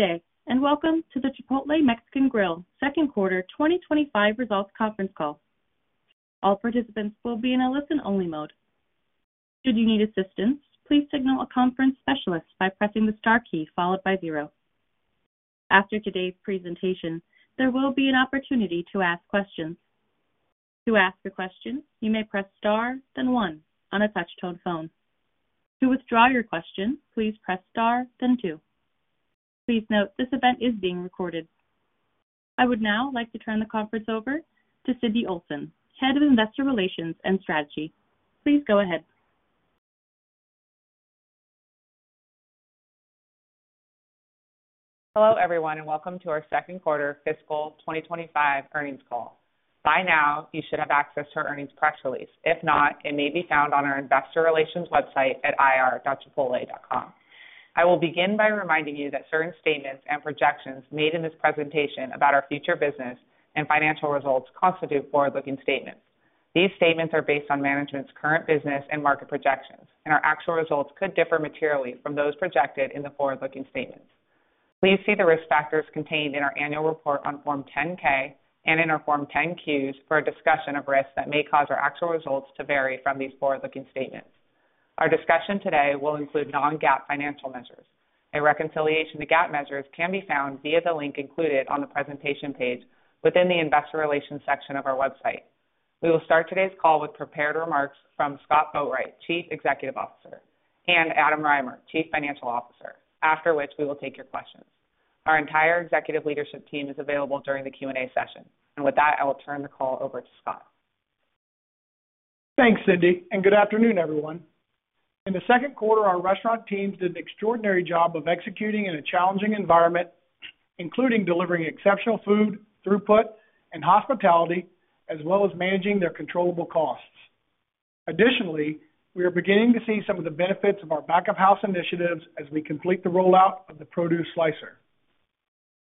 Today, and welcome to the Chipotle Mexican Grill, second quarter 2025 results conference call. All participants will be in a listen-only mode. Should you need assistance, please signal a conference specialist by pressing the star key followed by zero. After today's presentation, there will be an opportunity to ask questions. To ask a question, you may press star, then one, on a touch-tone phone. To withdraw your question, please press star, then two. Please note this event is being recorded. I would now like to turn the conference over to Cindy Olsen, Head of Investor Relations and Strategy. Please go ahead. Hello, everyone, and welcome to our second quarter fiscal 2025 earnings call. By now, you should have access to our earnings press release. If not, it may be found on our investor relations website at ir.chipotle.com. I will begin by reminding you that certain statements and projections made in this presentation about our future business and financial results constitute forward-looking statements. These statements are based on management's current business and market projections, and our actual results could differ materially from those projected in the forward-looking statements. Please see the risk factors contained in our annual report on Form 10-K and in our Form 10-Qs for a discussion of risks that may cause our actual results to vary from these forward-looking statements. Our discussion today will include non-GAAP financial measures. A reconciliation to GAAP measures can be found via the link included on the presentation page within the investor relations section of our website. We will start today's call with prepared remarks from Scott Boatwright, Chief Executive Officer, and Adam Rymer, Chief Financial Officer, after which we will take your questions. Our entire executive leadership team is available during the Q&A session. With that, I will turn the call over to Scott. Thanks, Cindy, and good afternoon, everyone. In the second quarter, our restaurant teams did an extraordinary job of executing in a challenging environment, including delivering exceptional food, throughput, and hospitality, as well as managing their controllable costs. Additionally, we are beginning to see some of the benefits of our back-of-house initiatives as we complete the rollout of the produce slicer.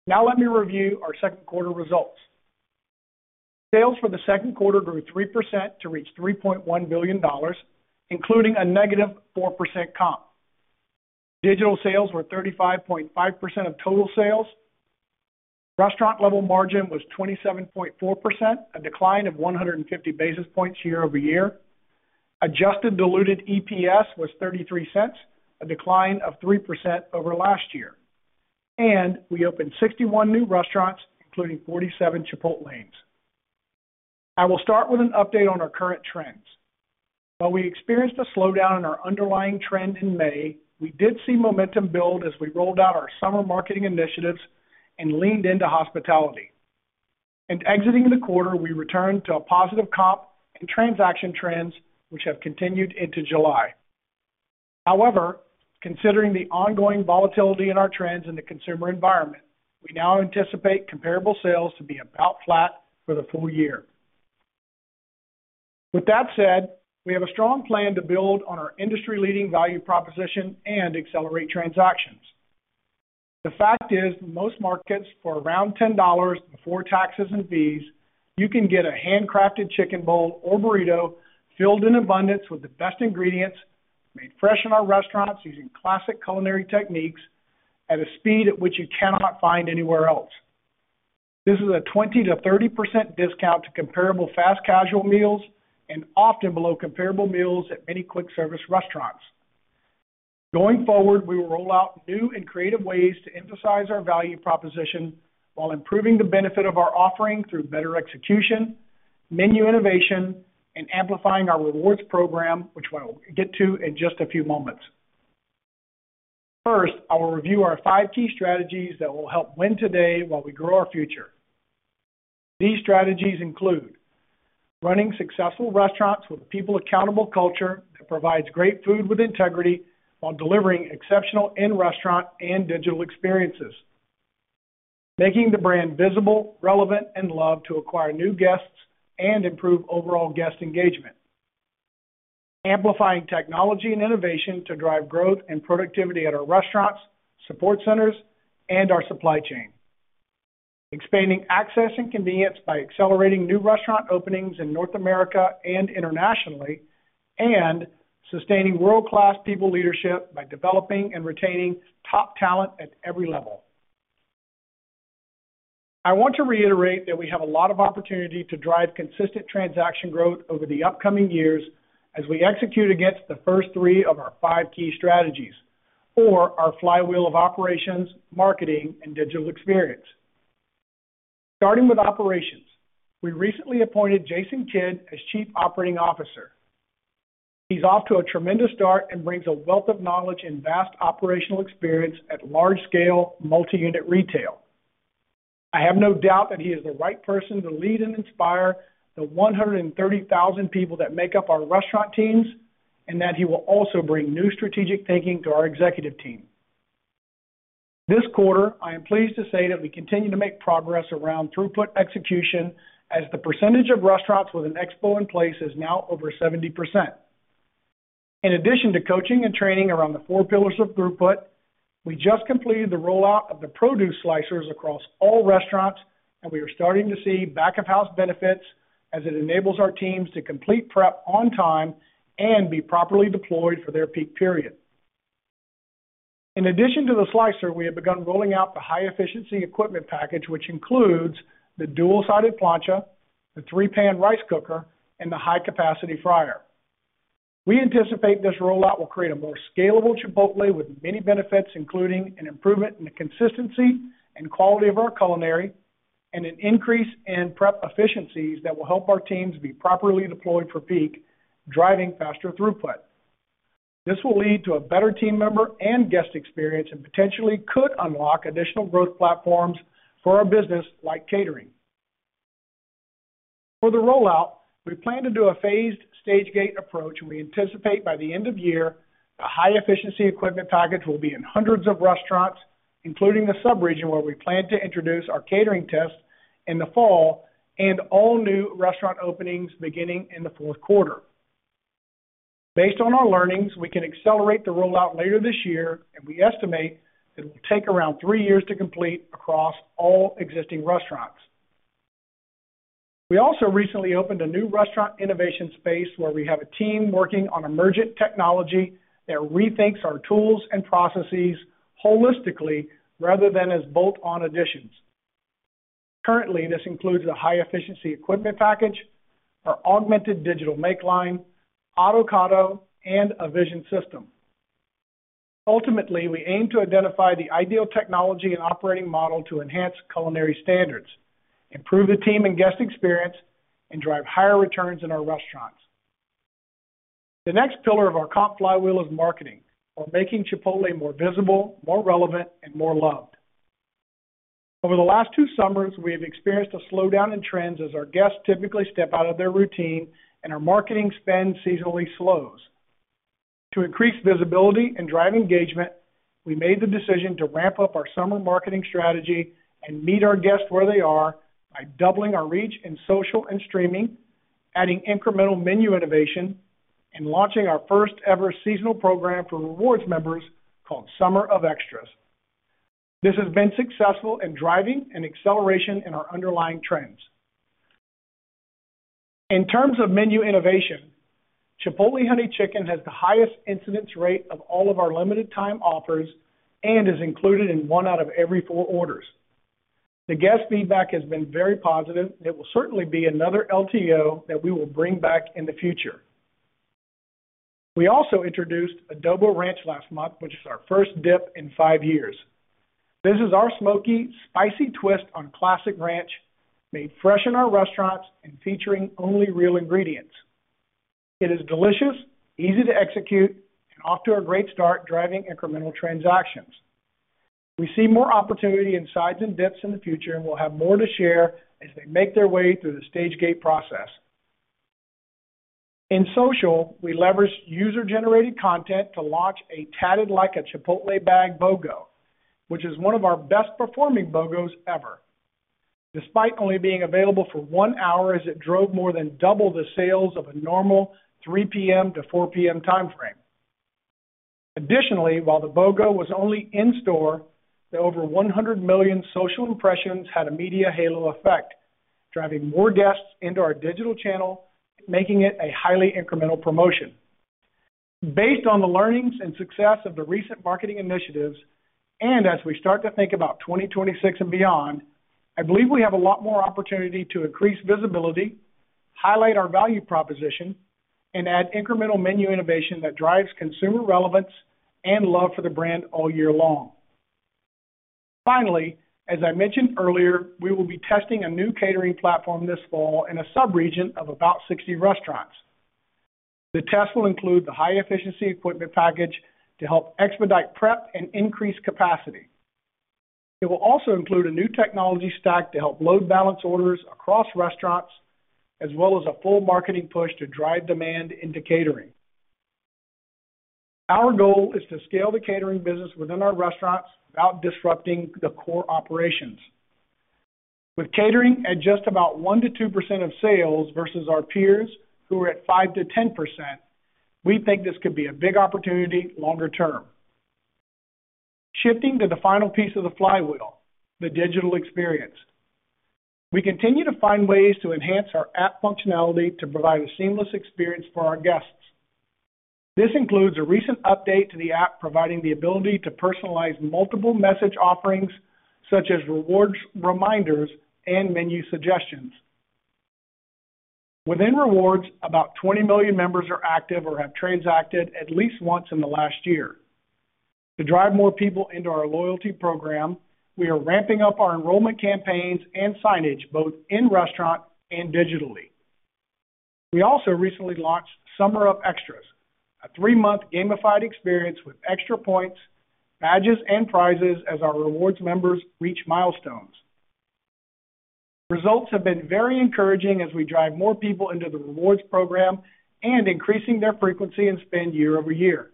Now, let me review our second quarter results. Sales for the second quarter grew 3% to reach $3.1 billion, including a negative 4% comp. Digital sales were 35.5% of total sales. Restaurant-level margin was 27.4%, a decline of 150 basis points year over year. Adjusted diluted EPS was $0.33, a decline of 3% over last year. We opened 61 new restaurants, including 47 Chipotlanes. I will start with an update on our current trends. While we experienced a slowdown in our underlying trend in May, we did see momentum build as we rolled out our summer marketing initiatives and leaned into hospitality. Exiting the quarter, we returned to a positive comp and transaction trends, which have continued into July. However, considering the ongoing volatility in our trends in the consumer environment, we now anticipate comparable sales to be about flat for the full year. With that said, we have a strong plan to build on our industry-leading value proposition and accelerate transactions. The fact is, in most markets, for around $10 before taxes and fees, you can get a handcrafted chicken bowl or burrito filled in abundance with the best ingredients, made fresh in our restaurants using classic culinary techniques, at a speed at which you cannot find anywhere else. This is a 20-30% discount to comparable fast casual meals and often below comparable meals at many quick-service restaurants. Going forward, we will roll out new and creative ways to emphasize our value proposition while improving the benefit of our offering through better execution, menu innovation, and amplifying our rewards program, which we'll get to in just a few moments. First, I will review our five key strategies that will help win today while we grow our future. These strategies include running successful restaurants with a people-accountable culture that provides great food with integrity while delivering exceptional in-restaurant and digital experiences, making the brand visible, relevant, and loved to acquire new guests and improve overall guest engagement, amplifying technology and innovation to drive growth and productivity at our restaurants, support centers, and our supply chain, expanding access and convenience by accelerating new restaurant openings in North America and internationally, and sustaining world-class people leadership by developing and retaining top talent at every level. I want to reiterate that we have a lot of opportunity to drive consistent transaction growth over the upcoming years as we execute against the first three of our five key strategies for our Flywheel of operations, marketing, and digital experience. Starting with operations, we recently appointed Jason Kidd as Chief Operating Officer. He's off to a tremendous start and brings a wealth of knowledge and vast operational experience at large-scale, multi-unit retail. I have no doubt that he is the right person to lead and inspire the 130,000 people that make up our restaurant teams and that he will also bring new strategic thinking to our executive team. This quarter, I am pleased to say that we continue to make progress around throughput execution as the percentage of restaurants with an Expo in place is now over 70%. In addition to coaching and training around the four pillars of throughput, we just completed the rollout of the produce slicers across all restaurants, and we are starting to see back-of-house benefits as it enables our teams to complete prep on time and be properly deployed for their peak period. In addition to the slicer, we have begun rolling out the High-Efficiency Equipment Package, which includes the dual-sided plancha, the three-pan rice cooker, and the high-capacity fryer. We anticipate this rollout will create a more scalable Chipotle with many benefits, including an improvement in the consistency and quality of our culinary and an increase in prep efficiencies that will help our teams be properly deployed for peak, driving faster throughput. This will lead to a better team member and guest experience and potentially could unlock additional growth platforms for our business, like catering. For the rollout, we plan to do a phased stage-gate approach, and we anticipate by the end of the year, the High-Efficiency Equipment Package will be in hundreds of restaurants, including the sub-region where we plan to introduce our catering test in the fall and all new restaurant openings beginning in the fourth quarter. Based on our learnings, we can accelerate the rollout later this year, and we estimate it will take around three years to complete across all existing restaurants. We also recently opened a new restaurant innovation space where we have a team working on emergent technology that rethinks our tools and processes holistically rather than as bolt-on additions. Currently, this includes the High-Efficiency Equipment Package, our Augmented Digital Make Line, Autocado, and a vision system. Ultimately, we aim to identify the ideal technology and operating model to enhance culinary standards, improve the team and guest experience, and drive higher returns in our restaurants. The next pillar of our comp Flywheel is marketing, or making Chipotle more visible, more relevant, and more loved. Over the last two summers, we have experienced a slowdown in trends as our guests typically step out of their routine and our marketing spend seasonally slows. To increase visibility and drive engagement, we made the decision to ramp up our summer marketing strategy and meet our guests where they are by doubling our reach in social and streaming, adding incremental menu innovation, and launching our first-ever seasonal program for rewards members called Summer of Extras. This has been successful in driving an acceleration in our underlying trends. In terms of menu innovation, Chipotle Honey Chicken has the highest incidence rate of all of our limited-time offers and is included in one out of every four orders. The guest feedback has been very positive, and it will certainly be another LTO that we will bring back in the future. We also introduced Adobo Ranch last month, which is our first dip in five years. This is our smoky, spicy twist on classic ranch, made fresh in our restaurants and featuring only real ingredients. It is delicious, easy to execute, and off to a great start driving incremental transactions. We see more opportunity in sides and dips in the future, and we'll have more to share as they make their way through the stage-gate process. In social, we leveraged user-generated content to launch a tatted-like-a-Chipotle bag BOGO, which is one of our best-performing BOGO's ever. Despite only being available for one hour, it drove more than double the sales of a normal 3:00 P.M. to 4:00 P.M. time frame. Additionally, while the BOGO was only in store, the over 100 million social impressions had a media halo effect, driving more guests into our digital channel, making it a highly incremental promotion. Based on the learnings and success of the recent marketing initiatives, and as we start to think about 2026 and beyond, I believe we have a lot more opportunity to increase visibility, highlight our value proposition, and add incremental menu innovation that drives consumer relevance and love for the brand all year long. Finally, as I mentioned earlier, we will be testing a new catering platform this fall in a sub-region of about 60 restaurants. The test will include the High-Efficiency Equipment Package to help expedite prep and increase capacity. It will also include a new technology stack to help load balance orders across restaurants, as well as a full marketing push to drive demand into catering. Our goal is to scale the catering business within our restaurants without disrupting the core operations. With catering at just about 1-2% of sales versus our peers, who are at 5-10%, we think this could be a big opportunity longer term. Shifting to the final piece of the Flywheel, the digital experience. We continue to find ways to enhance our app functionality to provide a seamless experience for our guests. This includes a recent update to the app providing the ability to personalize multiple message offerings, such as rewards reminders and menu suggestions. Within rewards, about 20 million members are active or have transacted at least once in the last year. To drive more people into our loyalty program, we are ramping up our enrollment campaigns and signage, both in restaurant and digitally. We also recently launched Summer of Extras, a three-month gamified experience with extra points, badges, and prizes as our rewards members reach milestones. Results have been very encouraging as we drive more people into the rewards program and increasing their frequency and spend year over year.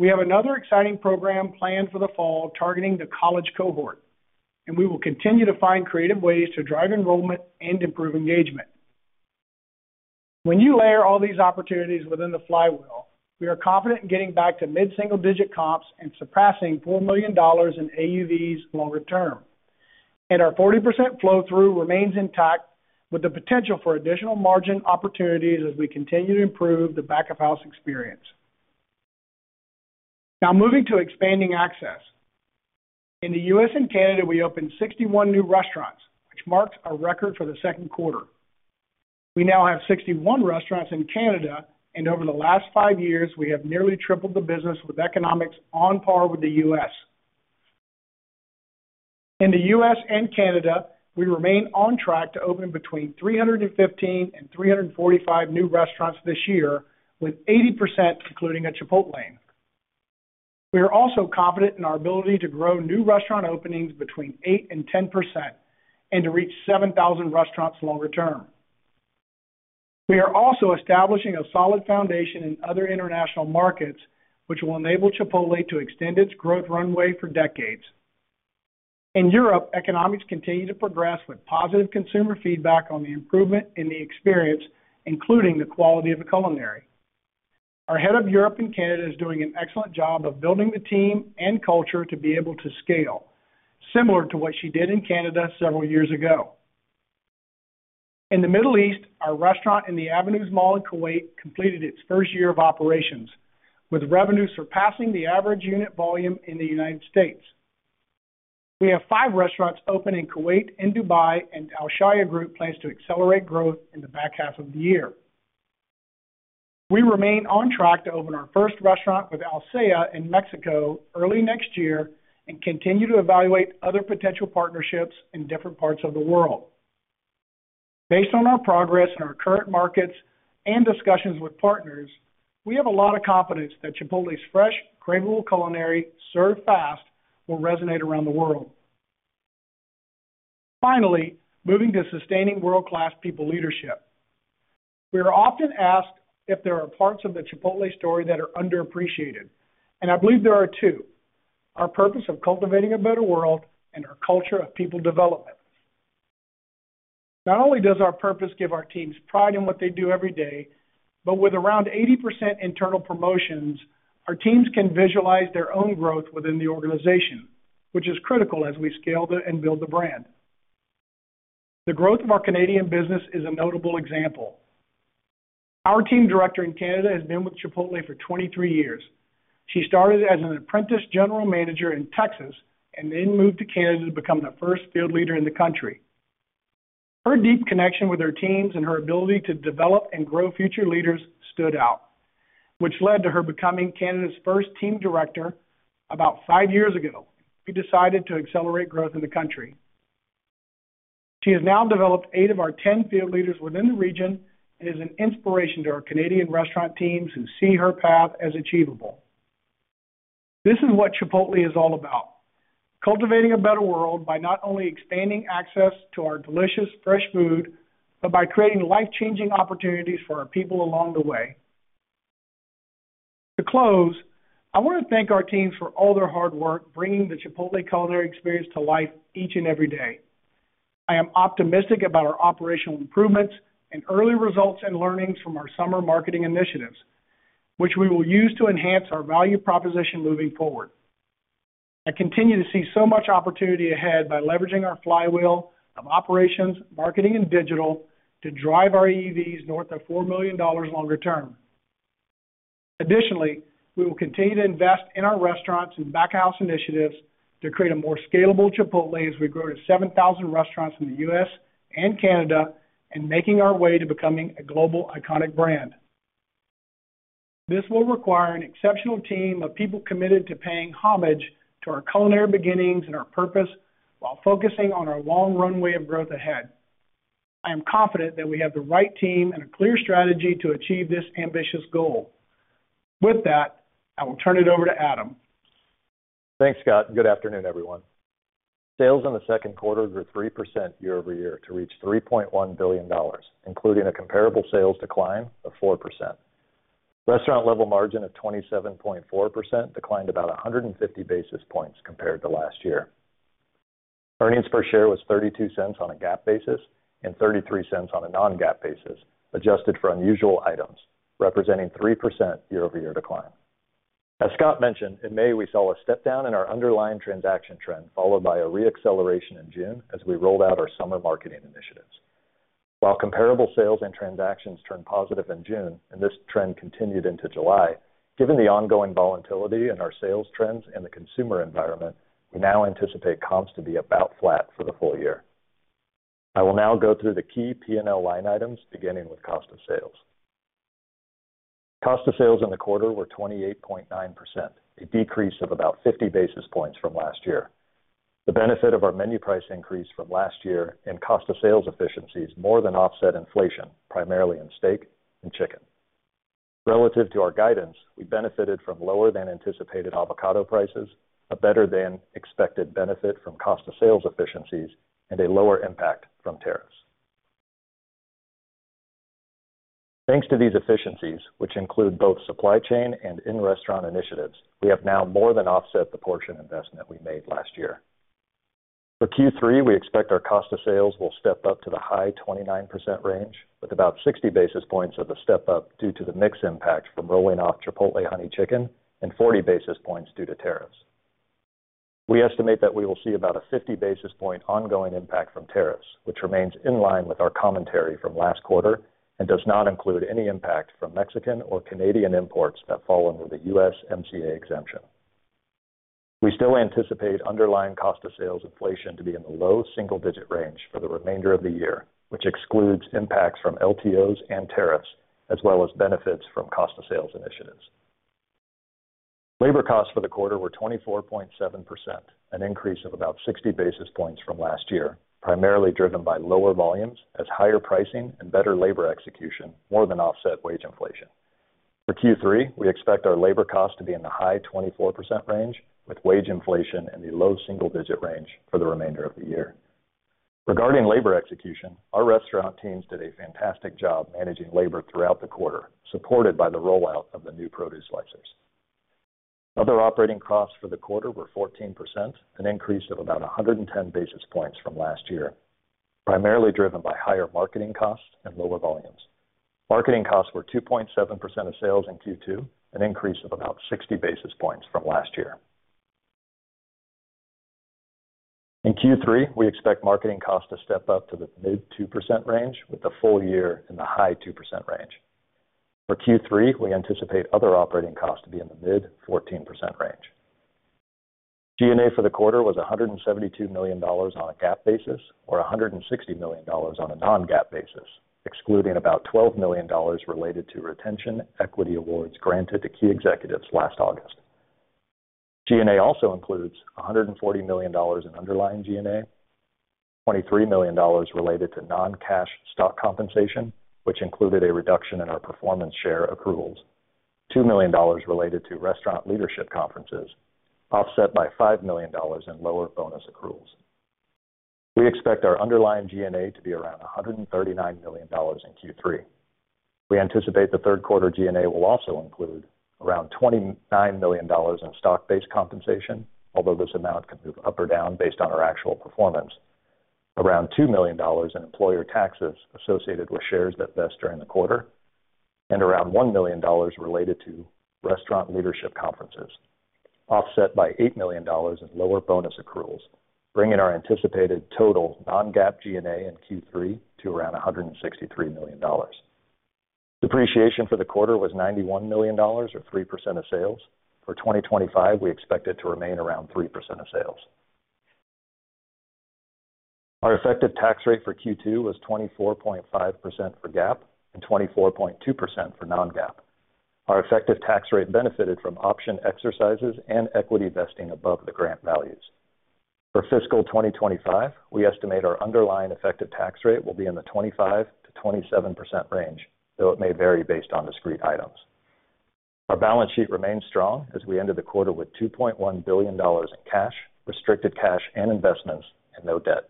We have another exciting program planned for the fall targeting the college cohort, and we will continue to find creative ways to drive enrollment and improve engagement. When you layer all these opportunities within the Flywheel, we are confident in getting back to mid-single-digit comps and surpassing $4 million in AUVs longer term. Our 40% flow-through remains intact, with the potential for additional margin opportunities as we continue to improve the back-of-house experience. Now, moving to expanding access. In the U.S. and Canada, we opened 61 new restaurants, which marks a record for the second quarter. We now have 61 restaurants in Canada, and over the last five years, we have nearly tripled the business with economics on par with the U.S. In the U.S. and Canada, we remain on track to open between 315 and 345 new restaurants this year, with 80% including a Chipotlane. We are also confident in our ability to grow new restaurant openings between 8-10% and to reach 7,000 restaurants longer term. We are also establishing a solid foundation in other international markets, which will enable Chipotle to extend its growth runway for decades. In Europe, economics continue to progress with positive consumer feedback on the improvement in the experience, including the quality of the culinary. Our Head of Europe and Canada is doing an excellent job of building the team and culture to be able to scale, similar to what she did in Canada several years ago. In the Middle East, our restaurant in the Avenues Mall in Kuwait completed its first year of operations, with revenue surpassing the average unit volume in the United States. We have five restaurants open in Kuwait and Dubai, and Alshaya Group plans to accelerate growth in the back half of the year. We remain on track to open our first restaurant with Alsea in Mexico early next year and continue to evaluate other potential partnerships in different parts of the world. Based on our progress in our current markets and discussions with partners, we have a lot of confidence that Chipotle's fresh, craveable culinary, served fast, will resonate around the world. Finally, moving to sustaining world-class people leadership. We are often asked if there are parts of the Chipotle story that are underappreciated, and I believe there are two: our purpose of cultivating a better world and our culture of people development. Not only does our purpose give our teams pride in what they do every day, but with around 80% internal promotions, our teams can visualize their own growth within the organization, which is critical as we scale and build the brand. The growth of our Canadian business is a notable example. Our team director in Canada has been with Chipotle for 23 years. She started as an apprentice general manager in Texas and then moved to Canada to become the first field leader in the country. Her deep connection with her teams and her ability to develop and grow future leaders stood out, which led to her becoming Canada's first team director about five years ago. We decided to accelerate growth in the country. She has now developed eight of our 10 field leaders within the region and is an inspiration to our Canadian restaurant teams who see her path as achievable. This is what Chipotle is all about: cultivating a better world by not only expanding access to our delicious, fresh food, but by creating life-changing opportunities for our people along the way. To close, I want to thank our teams for all their hard work bringing the Chipotle culinary experience to life each and every day. I am optimistic about our operational improvements and early results and learnings from our summer marketing initiatives, which we will use to enhance our value proposition moving forward. I continue to see so much opportunity ahead by leveraging our Flywheel of operations, marketing, and digital to drive our AUVs north of $4 million longer term. Additionally, we will continue to invest in our restaurants and back-of-house initiatives to create a more scalable Chipotle as we grow to 7,000 restaurants in the U.S. and Canada and making our way to becoming a global iconic brand. This will require an exceptional team of people committed to paying homage to our culinary beginnings and our purpose while focusing on our long runway of growth ahead. I am confident that we have the right team and a clear strategy to achieve this ambitious goal. With that, I will turn it over to Adam. Thanks, Scott. Good afternoon, everyone. Sales in the second quarter grew 3% year over year to reach $3.1 billion, including a comparable sales decline of 4%. Restaurant-level margin of 27.4% declined about 150 basis points compared to last year. Earnings per share was $0.32 on a GAAP basis and $0.33 on a non-GAAP basis, adjusted for unusual items, representing 3% year-over-year decline. As Scott mentioned, in May, we saw a step-down in our underlying transaction trend, followed by a re-acceleration in June as we rolled out our summer marketing initiatives. While comparable sales and transactions turned positive in June, and this trend continued into July, given the ongoing volatility in our sales trends and the consumer environment, we now anticipate comps to be about flat for the full year. I will now go through the key P&L line items, beginning with cost of sales. Cost of sales in the quarter were 28.9%, a decrease of about 50 basis points from last year. The benefit of our menu price increase from last year and cost of sales efficiencies more than offset inflation, primarily in steak and chicken. Relative to our guidance, we benefited from lower-than-anticipated avocado prices, a better-than-expected benefit from cost of sales efficiencies, and a lower impact from tariffs. Thanks to these efficiencies, which include both supply chain and in-restaurant initiatives, we have now more than offset the portion investment we made last year. For Q3, we expect our cost of sales will step up to the high 29% range, with about 60 basis points of a step-up due to the mixed impact from rolling off Chipotle Honey Chicken and 40 basis points due to tariffs. We estimate that we will see about a 50 basis point ongoing impact from tariffs, which remains in line with our commentary from last quarter and does not include any impact from Mexican or Canadian imports that fall under the USMCA exemption. We still anticipate underlying cost of sales inflation to be in the low single-digit range for the remainder of the year, which excludes impacts from LTOs and tariffs, as well as benefits from cost of sales initiatives. Labor costs for the quarter were 24.7%, an increase of about 60 basis points from last year, primarily driven by lower volumes as higher pricing and better labor execution more than offset wage inflation. For Q3, we expect our labor costs to be in the high 24% range, with wage inflation in the low single-digit range for the remainder of the year. Regarding labor execution, our restaurant teams did a fantastic job managing labor throughout the quarter, supported by the rollout of the new produce slicers. Other operating costs for the quarter were 14%, an increase of about 110 basis points from last year, primarily driven by higher marketing costs and lower volumes. Marketing costs were 2.7% of sales in Q2, an increase of about 60 basis points from last year. In Q3, we expect marketing costs to step up to the mid-2% range, with the full year in the high 2% range. For Q3, we anticipate other operating costs to be in the mid-14% range. G&A for the quarter was $172 million on a GAAP basis or $160 million on a non-GAAP basis, excluding about $12 million related to retention equity awards granted to key executives last August. G&A also includes $140 million in underlying G&A, $23 million related to non-cash stock compensation, which included a reduction in our performance share accruals, $2 million related to restaurant leadership conferences, offset by $5 million in lower bonus accruals. We expect our underlying G&A to be around $139 million in Q3. We anticipate the third quarter G&A will also include around $29 million in stock-based compensation, although this amount can move up or down based on our actual performance, around $2 million in employer taxes associated with shares that vest during the quarter, and around $1 million related to restaurant leadership conferences, offset by $8 million in lower bonus accruals, bringing our anticipated total non-GAAP G&A in Q3 to around $163 million. Depreciation for the quarter was $91 million, or 3% of sales. For 2025, we expect it to remain around 3% of sales. Our effective tax rate for Q2 was 24.5% for GAAP and 24.2% for non-GAAP. Our effective tax rate benefited from option exercises and equity vesting above the grant values. For fiscal 2025, we estimate our underlying effective tax rate will be in the 25%-27% range, though it may vary based on discrete items. Our balance sheet remains strong as we ended the quarter with $2.1 billion in cash, restricted cash, and investments, and no debt.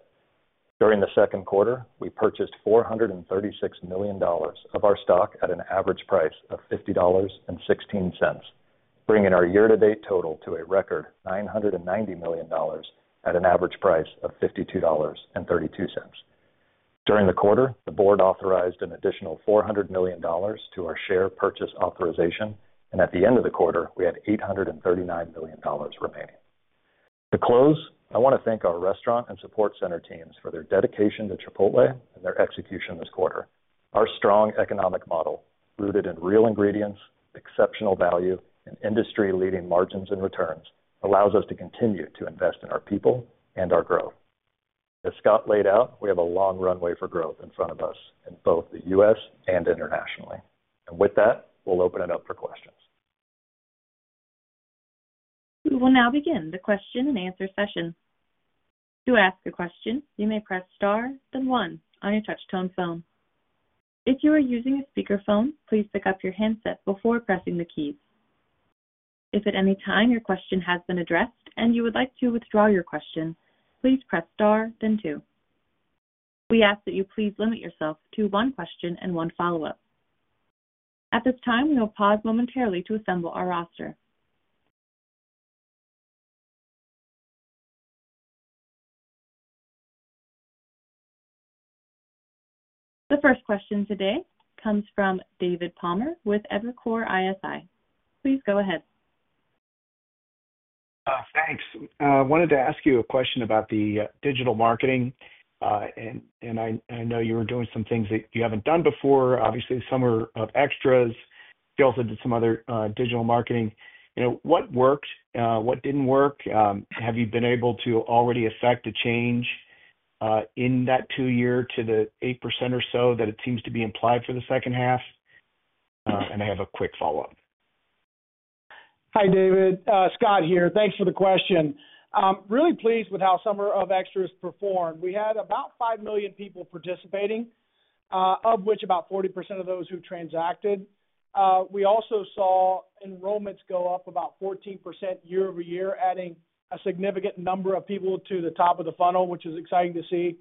During the second quarter, we purchased $436 million of our stock at an average price of $50.16, bringing our year-to-date total to a record $990 million at an average price of $52.32. During the quarter, the board authorized an additional $400 million to our share purchase authorization, and at the end of the quarter, we had $839 million remaining. To close, I want to thank our restaurant and support center teams for their dedication to Chipotle and their execution this quarter. Our strong economic model, rooted in real ingredients, exceptional value, and industry-leading margins and returns, allows us to continue to invest in our people and our growth. As Scott laid out, we have a long runway for growth in front of us in both the U.S. and internationally. With that, we'll open it up for questions. We will now begin the question-and-answer session. To ask a question, you may press star then one on your touch-tone phone. If you are using a speakerphone, please pick up your handset before pressing the keys. If at any time your question has been addressed and you would like to withdraw your question, please press star then two. We ask that you please limit yourself to one question and one follow-up. At this time, we will pause momentarily to assemble our roster. The first question today comes from David Palmer with Evercore ISI. Please go ahead. Thanks. I wanted to ask you a question about the digital marketing. I know you were doing some things that you haven't done before, obviously some were extras. You also did some other digital marketing. What worked? What didn't work? Have you been able to already affect a change in that two-year to the 8% or so that it seems to be implied for the second half? I have a quick follow-up. Hi, David. Scott here. Thanks for the question. Really pleased with how Summer of Extras performed. We had about 5 million people participating, of which about 40% of those who transacted. We also saw enrollments go up about 14% year-over-year, adding a significant number of people to the top of the funnel, which is exciting to see.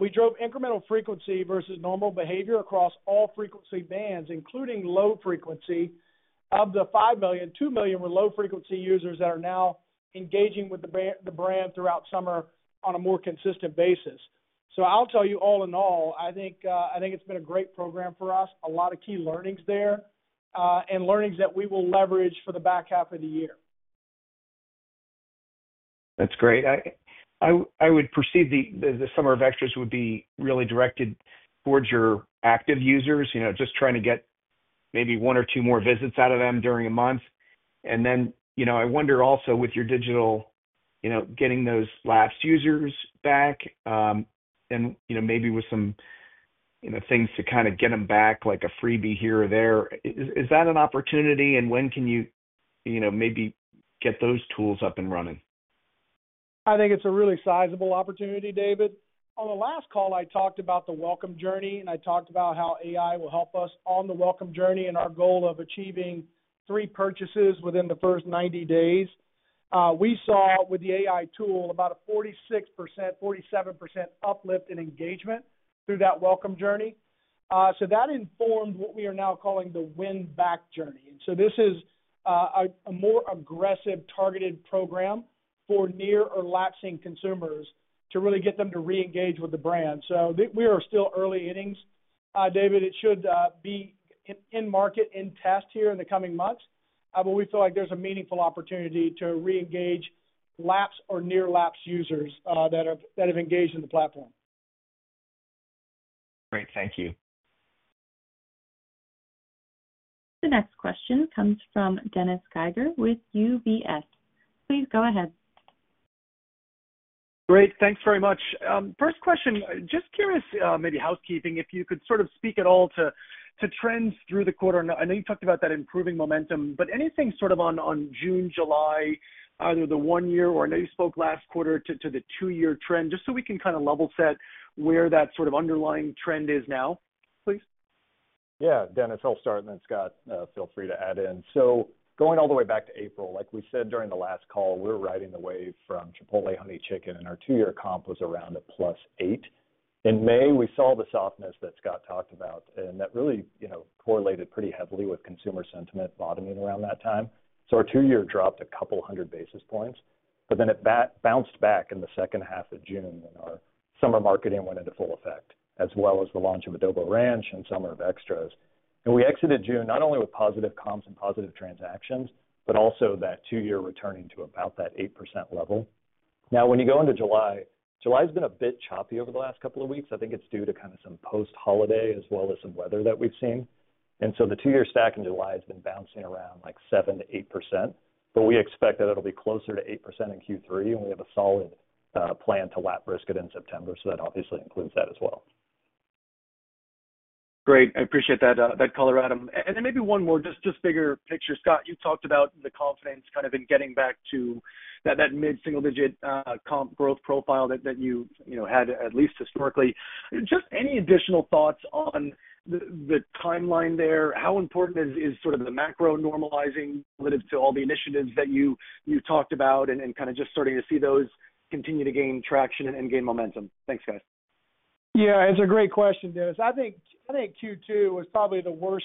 We drove incremental frequency versus normal behavior across all frequency bands, including low frequency. Of the 5 million, 2 million were low-frequency users that are now engaging with the brand throughout summer on a more consistent basis. I'll tell you, all in all, I think it's been a great program for us, a lot of key learnings there, and learnings that we will leverage for the back half of the year. That's great. I would perceive the Summer of Extras would be really directed towards your active users, just trying to get maybe one or two more visits out of them during a month. I wonder also, with your digital, getting those last users back. Maybe with some things to kind of get them back, like a freebie here or there. Is that an opportunity, and when can you maybe get those tools up and running? I think it's a really sizable opportunity, David. On the last call, I talked about the welcome journey, and I talked about how AI will help us on the welcome journey and our goal of achieving three purchases within the first 90 days. We saw, with the AI tool, about a 46%-47% uplift in engagement through that welcome journey. That informed what we are now calling the win-back journey. This is a more aggressive, targeted program for near or lapsing consumers to really get them to re-engage with the brand. We are still early innings, David. It should be in market, in test here in the coming months. We feel like there's a meaningful opportunity to re-engage laps or near-lapse users that have engaged in the platform. Great. Thank you. The next question comes from Dennis Geiger with UBS. Please go ahead. Great. Thanks very much. First question, just curious, maybe housekeeping, if you could sort of speak at all to trends through the quarter. I know you talked about that improving momentum, but anything on June, July, either the one-year or I know you spoke last quarter to the two-year trend, just so we can kind of level set where that underlying trend is now, please. Yeah. Dennis, I'll start, and then Scott feel free to add in. Going all the way back to April, like we said during the last call, we were riding the wave from Chipotle Honey Chicken, and our two-year comp was around a plus 8. In May, we saw the softness that Scott talked about, and that really correlated pretty heavily with consumer sentiment bottoming around that time. Our two-year dropped a couple hundred basis points, but then it bounced back in the second half of June when our summer marketing went into full effect, as well as the launch of Adobo Ranch and Summer of Extras. We exited June not only with positive comps and positive transactions, but also that two-year returning to about that 8% level. Now, when you go into July, July has been a bit choppy over the last couple of weeks. I think it's due to kind of some post-holiday as well as some weather that we've seen. The two-year stack in July has been bouncing around like 7%-8%, but we expect that it'll be closer to 8% in Q3, and we have a solid plan to lap Brisket in September, so that obviously includes that as well. Great. I appreciate that color, Adam. Maybe one more, just bigger picture. Scott, you talked about the confidence kind of in getting back to that mid-single-digit comp growth profile that you had, at least historically. Just any additional thoughts on the timeline there? How important is sort of the macro normalizing relative to all the initiatives that you talked about and kind of just starting to see those continue to gain traction and gain momentum? Thanks, guys. Yeah, it's a great question, Dennis. I think Q2 was probably the worst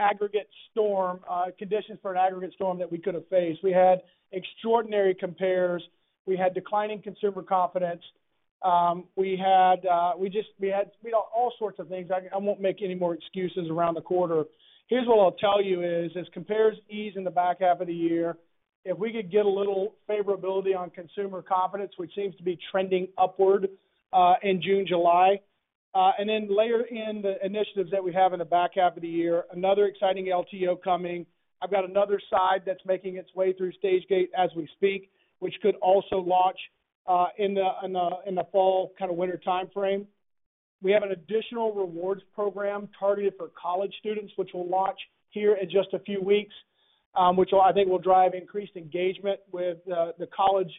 aggregate storm, conditions for an aggregate storm that we could have faced. We had extraordinary compares. We had declining consumer confidence. We had all sorts of things. I won't make any more excuses around the quarter. Here's what I'll tell you is, as compares ease in the back half of the year, if we could get a little favorability on consumer confidence, which seems to be trending upward in June, July, and then layer in the initiatives that we have in the back half of the year, another exciting LTO coming. I've got another side that's making its way through Stagegate as we speak, which could also launch in the fall kind of winter timeframe. We have an additional rewards program targeted for college students, which will launch here in just a few weeks, which I think will drive increased engagement with the college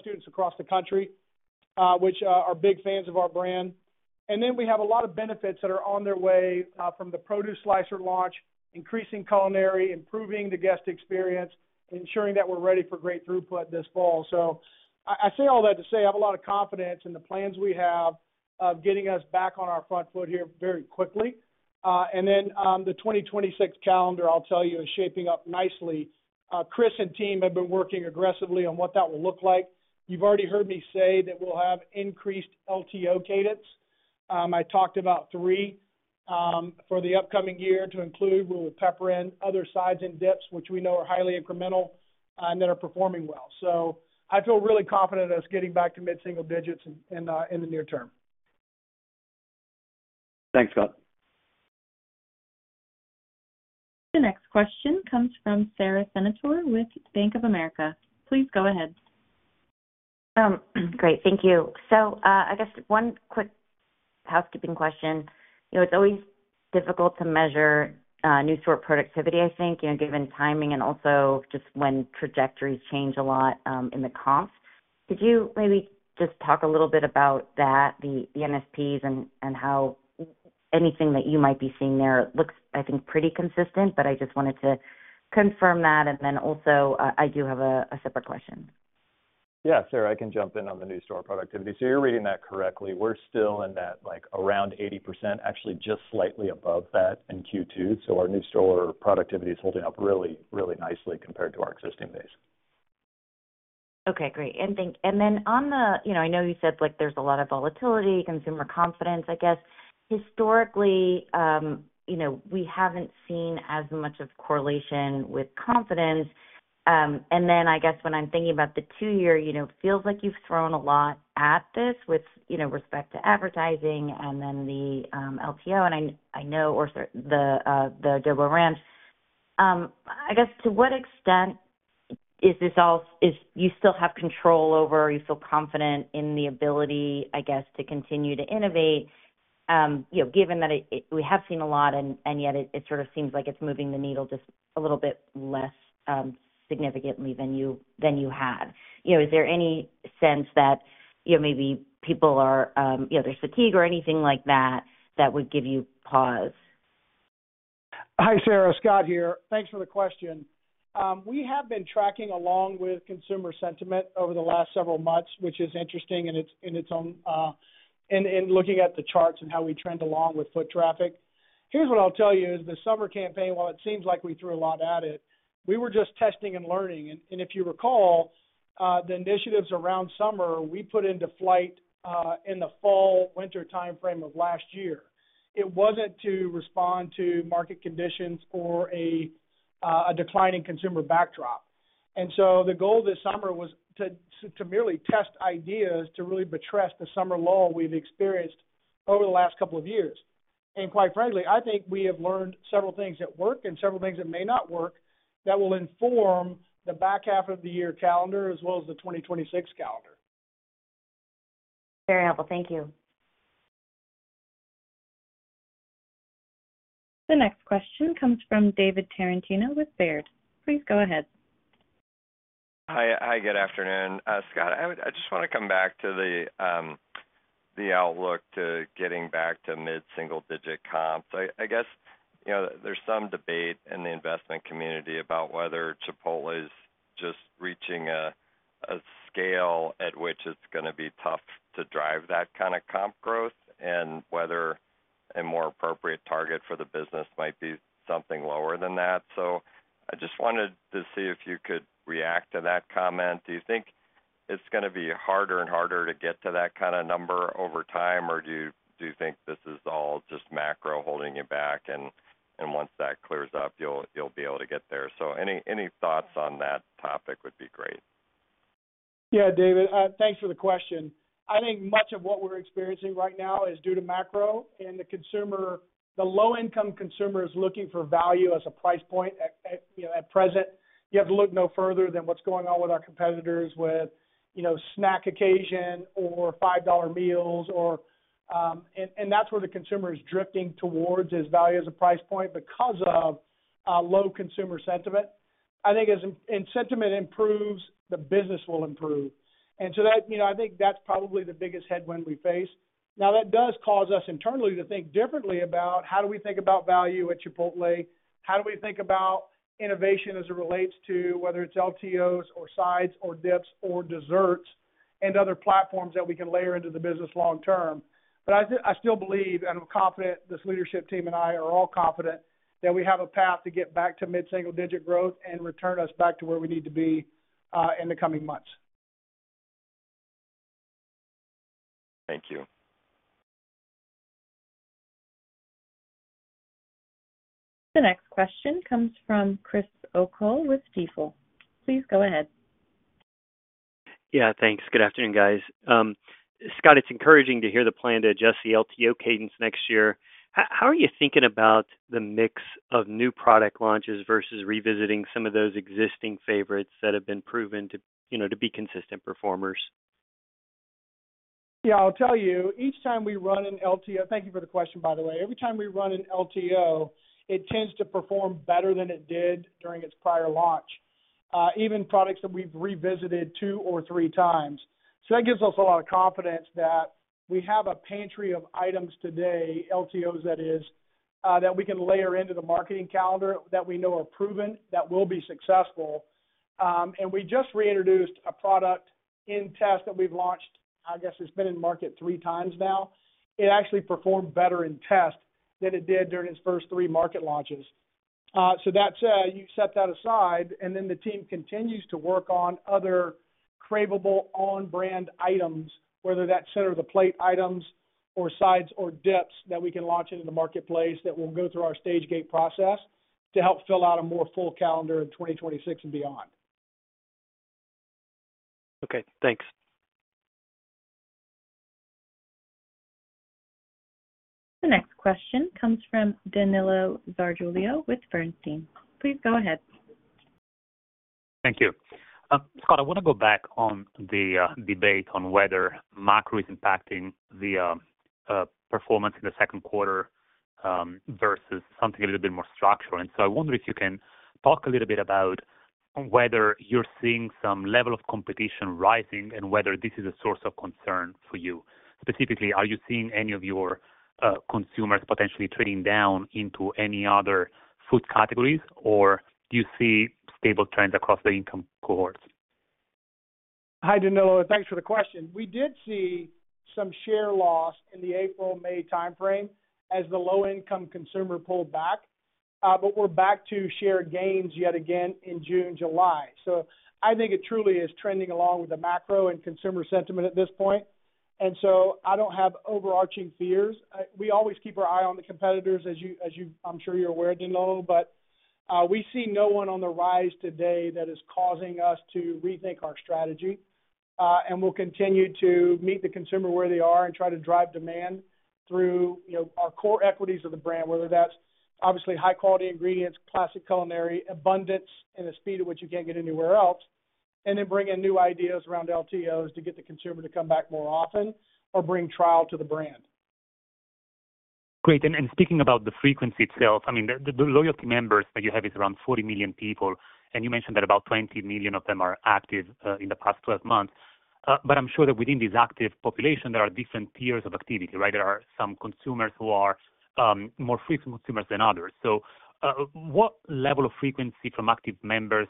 students across the country, which are big fans of our brand. We have a lot of benefits that are on their way from the produce slicer launch, increasing culinary, improving the guest experience, ensuring that we're ready for great throughput this fall. I say all that to say I have a lot of confidence in the plans we have of getting us back on our front foot here very quickly. The 2026 calendar, I'll tell you, is shaping up nicely. Chris and team have been working aggressively on what that will look like. You've already heard me say that we'll have increased LTO cadence. I talked about three for the upcoming year to include where we pepper in other sides and dips, which we know are highly incremental and that are performing well. I feel really confident in us getting back to mid-single digits in the near term. Thanks, Scott. The next question comes from Sara Senatore with Bank of America. Please go ahead. Great. Thank you. I guess one quick housekeeping question. It's always difficult to measure new store productivity, I think, given timing and also just when trajectories change a lot in the comps. Could you maybe just talk a little bit about that, the NSPs and how. Anything that you might be seeing there looks, I think, pretty consistent, but I just wanted to confirm that. I do have a separate question. Yeah, sure. I can jump in on the new store productivity. You're reading that correctly. We're still in that around 80%, actually just slightly above that in Q2. Our new store productivity is holding up really, really nicely compared to our existing base. Okay, great. I know you said there's a lot of volatility, consumer confidence, I guess. Historically, we haven't seen as much of a correlation with confidence. When I'm thinking about the two-year, it feels like you've thrown a lot at this with respect to advertising and then the LTO, and I know. The Adobo Ranch. To what extent is this all you still have control over? You feel confident in the ability, I guess, to continue to innovate. Given that we have seen a lot, and yet it sort of seems like it's moving the needle just a little bit less significantly than you had. Is there any sense that maybe people are, there's fatigue or anything like that that would give you pause? Hi, Sara. Scott here. Thanks for the question. We have been tracking along with consumer sentiment over the last several months, which is interesting in its own. Looking at the charts and how we trend along with foot traffic. Here's what I'll tell you. The summer campaign, while it seems like we threw a lot at it, we were just testing and learning. If you recall, the initiatives around summer, we put into flight in the fall, winter timeframe of last year. It wasn't to respond to market conditions or a declining consumer backdrop. The goal this summer was to merely test ideas to really buttress the summer lull we've experienced over the last couple of years. Quite frankly, I think we have learned several things that work and several things that may not work that will inform the back half of the year calendar as well as the 2026 calendar. Very helpful. Thank you. The next question comes from David Tarantino with Baird. Please go ahead. Hi, good afternoon. Scott, I just want to come back to the outlook to getting back to mid-single digit comps. There's some debate in the investment community about whether Chipotle is just reaching a scale at which it's going to be tough to drive that kind of comp growth and whether a more appropriate target for the business might be something lower than that. I just wanted to see if you could react to that comment. Do you think it's going to be harder and harder to get to that kind of number over time, or do you think this is all just macro holding you back? And once that clears up, you'll be able to get there. Any thoughts on that topic would be great. Yeah, David, thanks for the question. I think much of what we're experiencing right now is due to macro. The low-income consumer is looking for value as a price point. At present, you have to look no further than what's going on with our competitors with snack occasion or $5 meals. That's where the consumer is drifting towards as value as a price point because of low consumer sentiment. I think as sentiment improves, the business will improve. I think that's probably the biggest headwind we face. Now, that does cause us internally to think differently about how do we think about value at Chipotle? How do we think about innovation as it relates to whether it's LTOs or sides or dips or desserts and other platforms that we can layer into the business long term? I still believe, and I'm confident this leadership team and I are all confident that we have a path to get back to mid-single digit growth and return us back to where we need to be in the coming months. Thank you. The next question comes from Chris O'Cull with Stifel. Please go ahead. Yeah, thanks. Good afternoon, guys. Scott, it's encouraging to hear the plan to adjust the LTO cadence next year. How are you thinking about the mix of new product launches versus revisiting some of those existing favorites that have been proven to be consistent performers? Yeah, I'll tell you, each time we run an LTO—thank you for the question, by the way—every time we run an LTO, it tends to perform better than it did during its prior launch, even products that we've revisited two or three times. That gives us a lot of confidence that we have a pantry of items today, LTOs that is, that we can layer into the marketing calendar that we know are proven, that will be successful. We just reintroduced a product in test that we've launched, I guess it's been in market three times now. It actually performed better in test than it did during its first three market launches. You set that aside, and then the team continues to work on other craveable on-brand items, whether that's center of the plate items or sides or dips that we can launch into the marketplace that will go through our Stagegate process to help fill out a more full calendar in 2026 and beyond. Okay, thanks. The next question comes from Danilo Gargiulo with Bernstein. Please go ahead. Thank you. Scott, I want to go back on the debate on whether macro is impacting the performance in the second quarter. Versus something a little bit more structural. I wonder if you can talk a little bit about whether you're seeing some level of competition rising and whether this is a source of concern for you. Specifically, are you seeing any of your consumers potentially trading down into any other food categories, or do you see stable trends across the income cohorts? Hi, Danilo. Thanks for the question. We did see some share loss in the April, May timeframe as the low-income consumer pulled back. We're back to share gains yet again in June, July. I think it truly is trending along with the macro and consumer sentiment at this point. I don't have overarching fears. We always keep our eye on the competitors, as I'm sure you're aware, Danilo, but we see no one on the rise today that is causing us to rethink our strategy. We'll continue to meet the consumer where they are and try to drive demand through our core equities of the brand, whether that's obviously high-quality ingredients, classic culinary, abundance, and the speed at which you can't get anywhere else, and then bring in new ideas around LTOs to get the consumer to come back more often or bring trial to the brand. Great. Speaking about the frequency itself, I mean, the loyalty members that you have is around 40 million people, and you mentioned that about 20 million of them are active in the past 12 months. I'm sure that within this active population, there are different tiers of activity, right? There are some consumers who are more frequent consumers than others. What level of frequency from active members,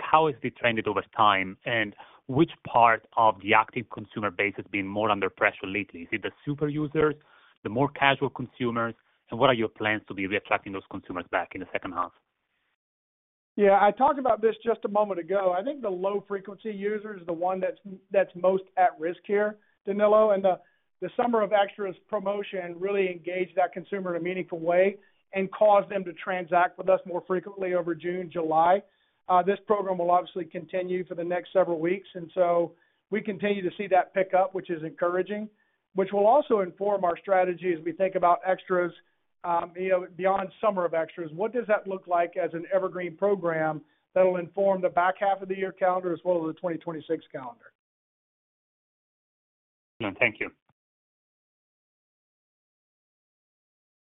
how is it trended over time, and which part of the active consumer base has been more under pressure lately? Is it the super users, the more casual consumers, and what are your plans to be attracting those consumers back in the second half? Yeah, I talked about this just a moment ago. I think the low-frequency user is the one that's most at risk here, Danilo. The Summer of Extras promotion really engaged that consumer in a meaningful way and caused them to transact with us more frequently over June, July. This program will obviously continue for the next several weeks. We continue to see that pick up, which is encouraging, which will also inform our strategy as we think about extras. Beyond Summer of Extras, what does that look like as an evergreen program that will inform the back half of the year calendar as well as the 2026 calendar? Thank you.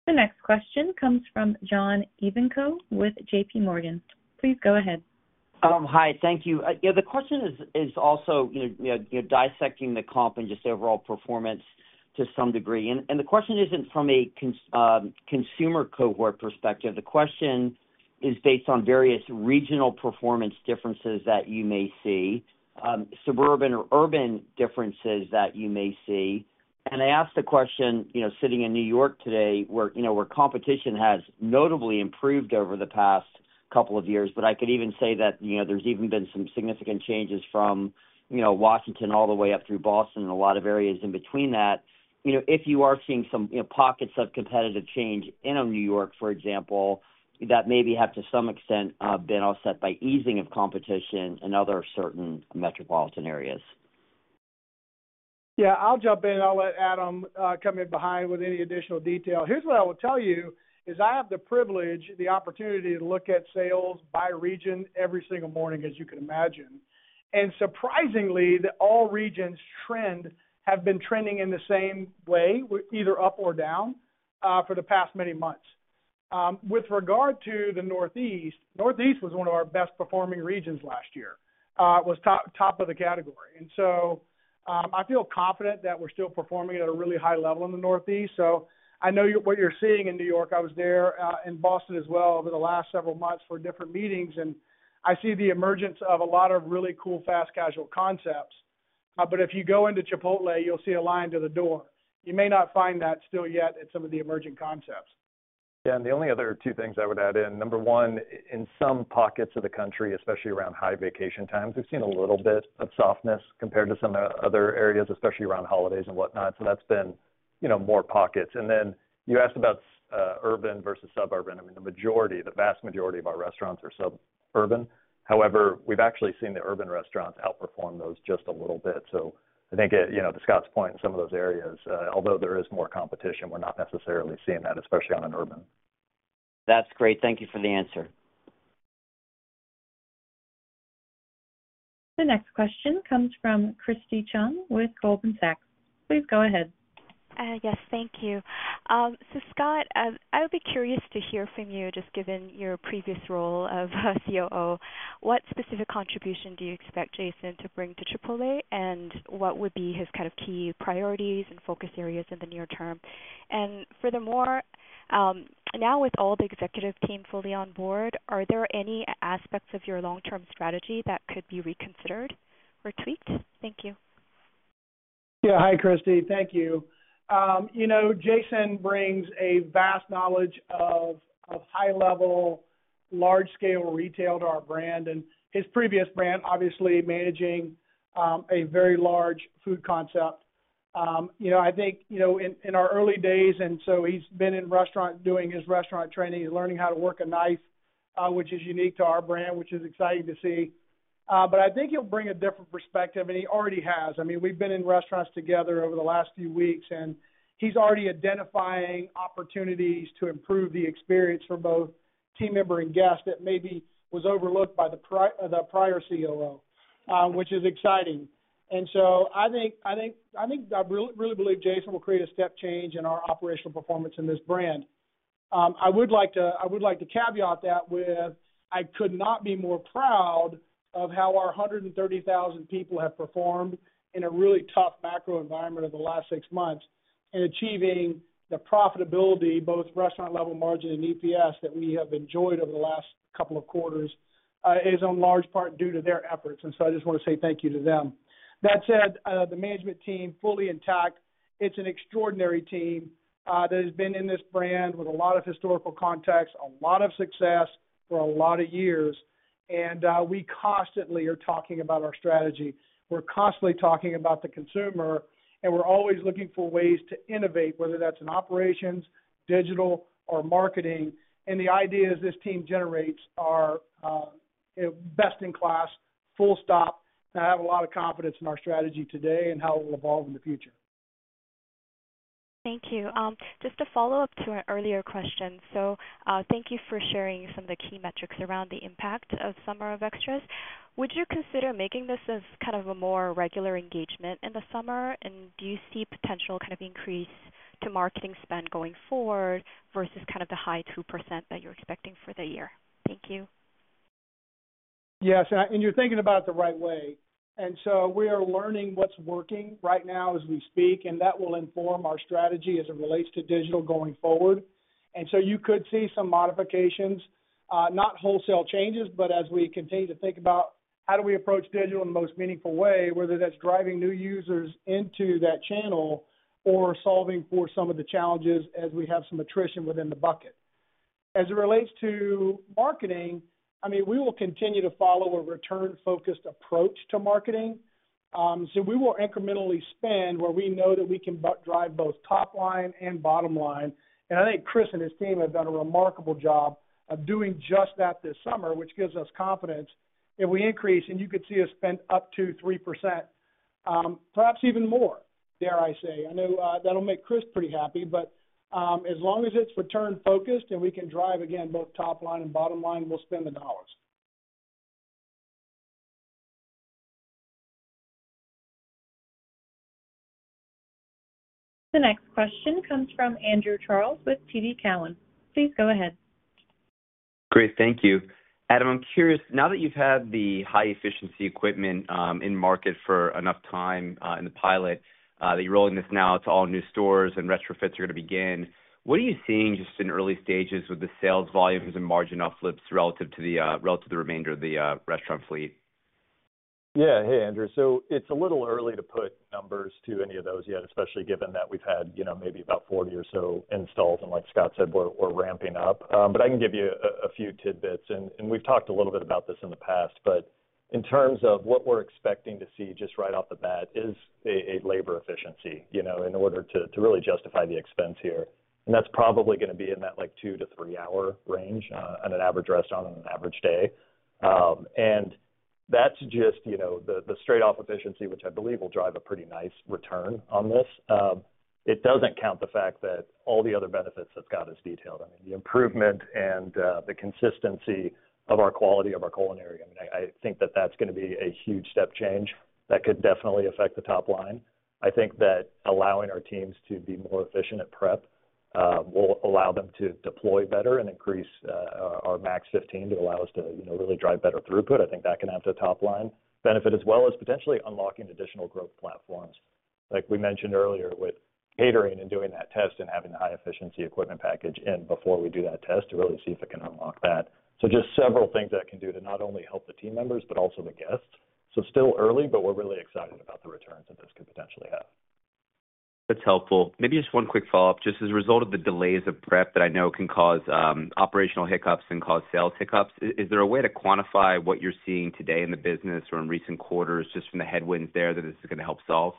The next question comes from John Ivankoe with JPMorgan. Please go ahead. Hi, thank you. Yeah, the question is also dissecting the comp and just overall performance to some degree. The question isn't from a consumer cohort perspective. The question is based on various regional performance differences that you may see. Suburban or urban differences that you may see. I asked the question sitting in New York today, where competition has notably improved over the past couple of years, but I could even say that there's even been some significant changes from Washington all the way up through Boston and a lot of areas in between that. If you are seeing some pockets of competitive change in New York, for example, that maybe have to some extent been offset by easing of competition in other certain metropolitan areas. Yeah, I'll jump in. I'll let Adam come in behind with any additional detail. Here's what I will tell you is I have the privilege, the opportunity to look at sales by region every single morning, as you can imagine. Surprisingly, all regions' trends have been trending in the same way, either up or down, for the past many months. With regard to the Northeast, Northeast was one of our best-performing regions last year. It was top of the category. I feel confident that we're still performing at a really high level in the Northeast. I know what you're seeing in New York. I was there in Boston as well over the last several months for different meetings. I see the emergence of a lot of really cool fast casual concepts. If you go into Chipotle, you'll see a line to the door. You may not find that still yet at some of the emerging concepts. Yeah, and the only other two things I would add in. Number one, in some pockets of the country, especially around high vacation times, we've seen a little bit of softness compared to some other areas, especially around holidays and whatnot. That's been more pockets. You asked about urban versus suburban. I mean, the majority, the vast majority of our restaurants are suburban. However, we've actually seen the urban restaurants outperform those just a little bit. I think to Scott's point, in some of those areas, although there is more competition, we're not necessarily seeing that, especially on an urban. That's great. Thank you for the answer. The next question comes from Christy Chung with Goldman Sachs. Please go ahead. Yes, thank you. Scott, I would be curious to hear from you, just given your previous role of COO, what specific contribution do you expect Jason to bring to Chipotle, and what would be his kind of key priorities and focus areas in the near term? Furthermore, now with all the executive team fully on board, are there any aspects of your long-term strategy that could be reconsidered or tweaked? Thank you. Yeah. Hi, Christy. Thank you. Jason brings a vast knowledge of high-level, large-scale retail to our brand and his previous brand, obviously managing a very large food concept. I think in our early days, and so he's been in restaurant doing his restaurant training. He's learning how to work a knife, which is unique to our brand, which is exciting to see. I think he'll bring a different perspective, and he already has. I mean, we've been in restaurants together over the last few weeks, and he's already identifying opportunities to improve the experience for both team member and guests that maybe was overlooked by the prior COO, which is exciting. I really believe Jason will create a step change in our operational performance in this brand. I would like to caveat that with I could not be more proud of how our 130,000 people have performed in a really tough macro environment over the last six months and achieving the profitability, both restaurant-level margin and EPS, that we have enjoyed over the last couple of quarters is in large part due to their efforts. I just want to say thank you to them. That said, the management team is fully intact. It's an extraordinary team that has been in this brand with a lot of historical context, a lot of success for a lot of years. We constantly are talking about our strategy. We're constantly talking about the consumer, and we're always looking for ways to innovate, whether that's in operations, digital, or marketing. The ideas this team generates are best in class, full stop. I have a lot of confidence in our strategy today and how it will evolve in the future. Thank you. Just to follow up to an earlier question, thank you for sharing some of the key metrics around the impact of Summer of Extras. Would you consider making this as kind of a more regular engagement in the summer? Do you see potential kind of increase to marketing spend going forward versus kind of the high 2% that you're expecting for the year? Thank you. Yes. You're thinking about it the right way. We are learning what's working right now as we speak, and that will inform our strategy as it relates to digital going forward. You could see some modifications, not wholesale changes, but as we continue to think about how do we approach digital in the most meaningful way, whether that's driving new users into that channel or solving for some of the challenges as we have some attrition within the bucket. As it relates to marketing, we will continue to follow a return-focused approach to marketing. We will incrementally spend where we know that we can drive both top line and bottom line. I think Chris and his team have done a remarkable job of doing just that this summer, which gives us confidence if we increase, and you could see us spend up to 3%. Perhaps even more, dare I say. I know that'll make Chris pretty happy, but as long as it's return-focused and we can drive again both top line and bottom line, we'll spend the dollars. The next question comes from Andrew Charles with TD Cowen. Please go ahead. Great. Thank you. Adam, I'm curious. Now that you've had the high-efficiency equipment in market for enough time in the pilot, that you're rolling this now to all new stores and retrofits are going to begin, what are you seeing just in early stages with the sales volumes and margin uplifts relative to the remainder of the restaurant fleet? Yeah. Hey, Andrew. So it's a little early to put numbers to any of those yet, especially given that we've had maybe about 40 or so installs. And like Scott said, we're ramping up. But I can give you a few tidbits. And we've talked a little bit about this in the past, but in terms of what we're expecting to see just right off the bat is a labor efficiency in order to really justify the expense here. And that's probably going to be in that two- to three-hour range on an average restaurant, on an average day. And that's just the straight-off efficiency, which I believe will drive a pretty nice return on this. It doesn't count the fact that all the other benefits that Scott has detailed. I mean, the improvement and the consistency of our quality of our culinary. I mean, I think that that's going to be a huge step change that could definitely affect the top line. I think that allowing our teams to be more efficient at prep will allow them to deploy better and increase our max 15 to allow us to really drive better throughput. I think that can have the top line benefit, as well as potentially unlocking additional growth platforms. Like we mentioned earlier with catering and doing that test and having the High-Efficiency Equipment Package in before we do that test to really see if it can unlock that. Just several things that it can do to not only help the team members, but also the guests. Still early, but we're really excited about the returns that this could potentially have. That's helpful. Maybe just one quick follow-up. Just as a result of the delays of prep that I know can cause operational hiccups and cause sales hiccups, is there a way to quantify what you're seeing today in the business or in recent quarters just from the headwinds there that this is going to help solve?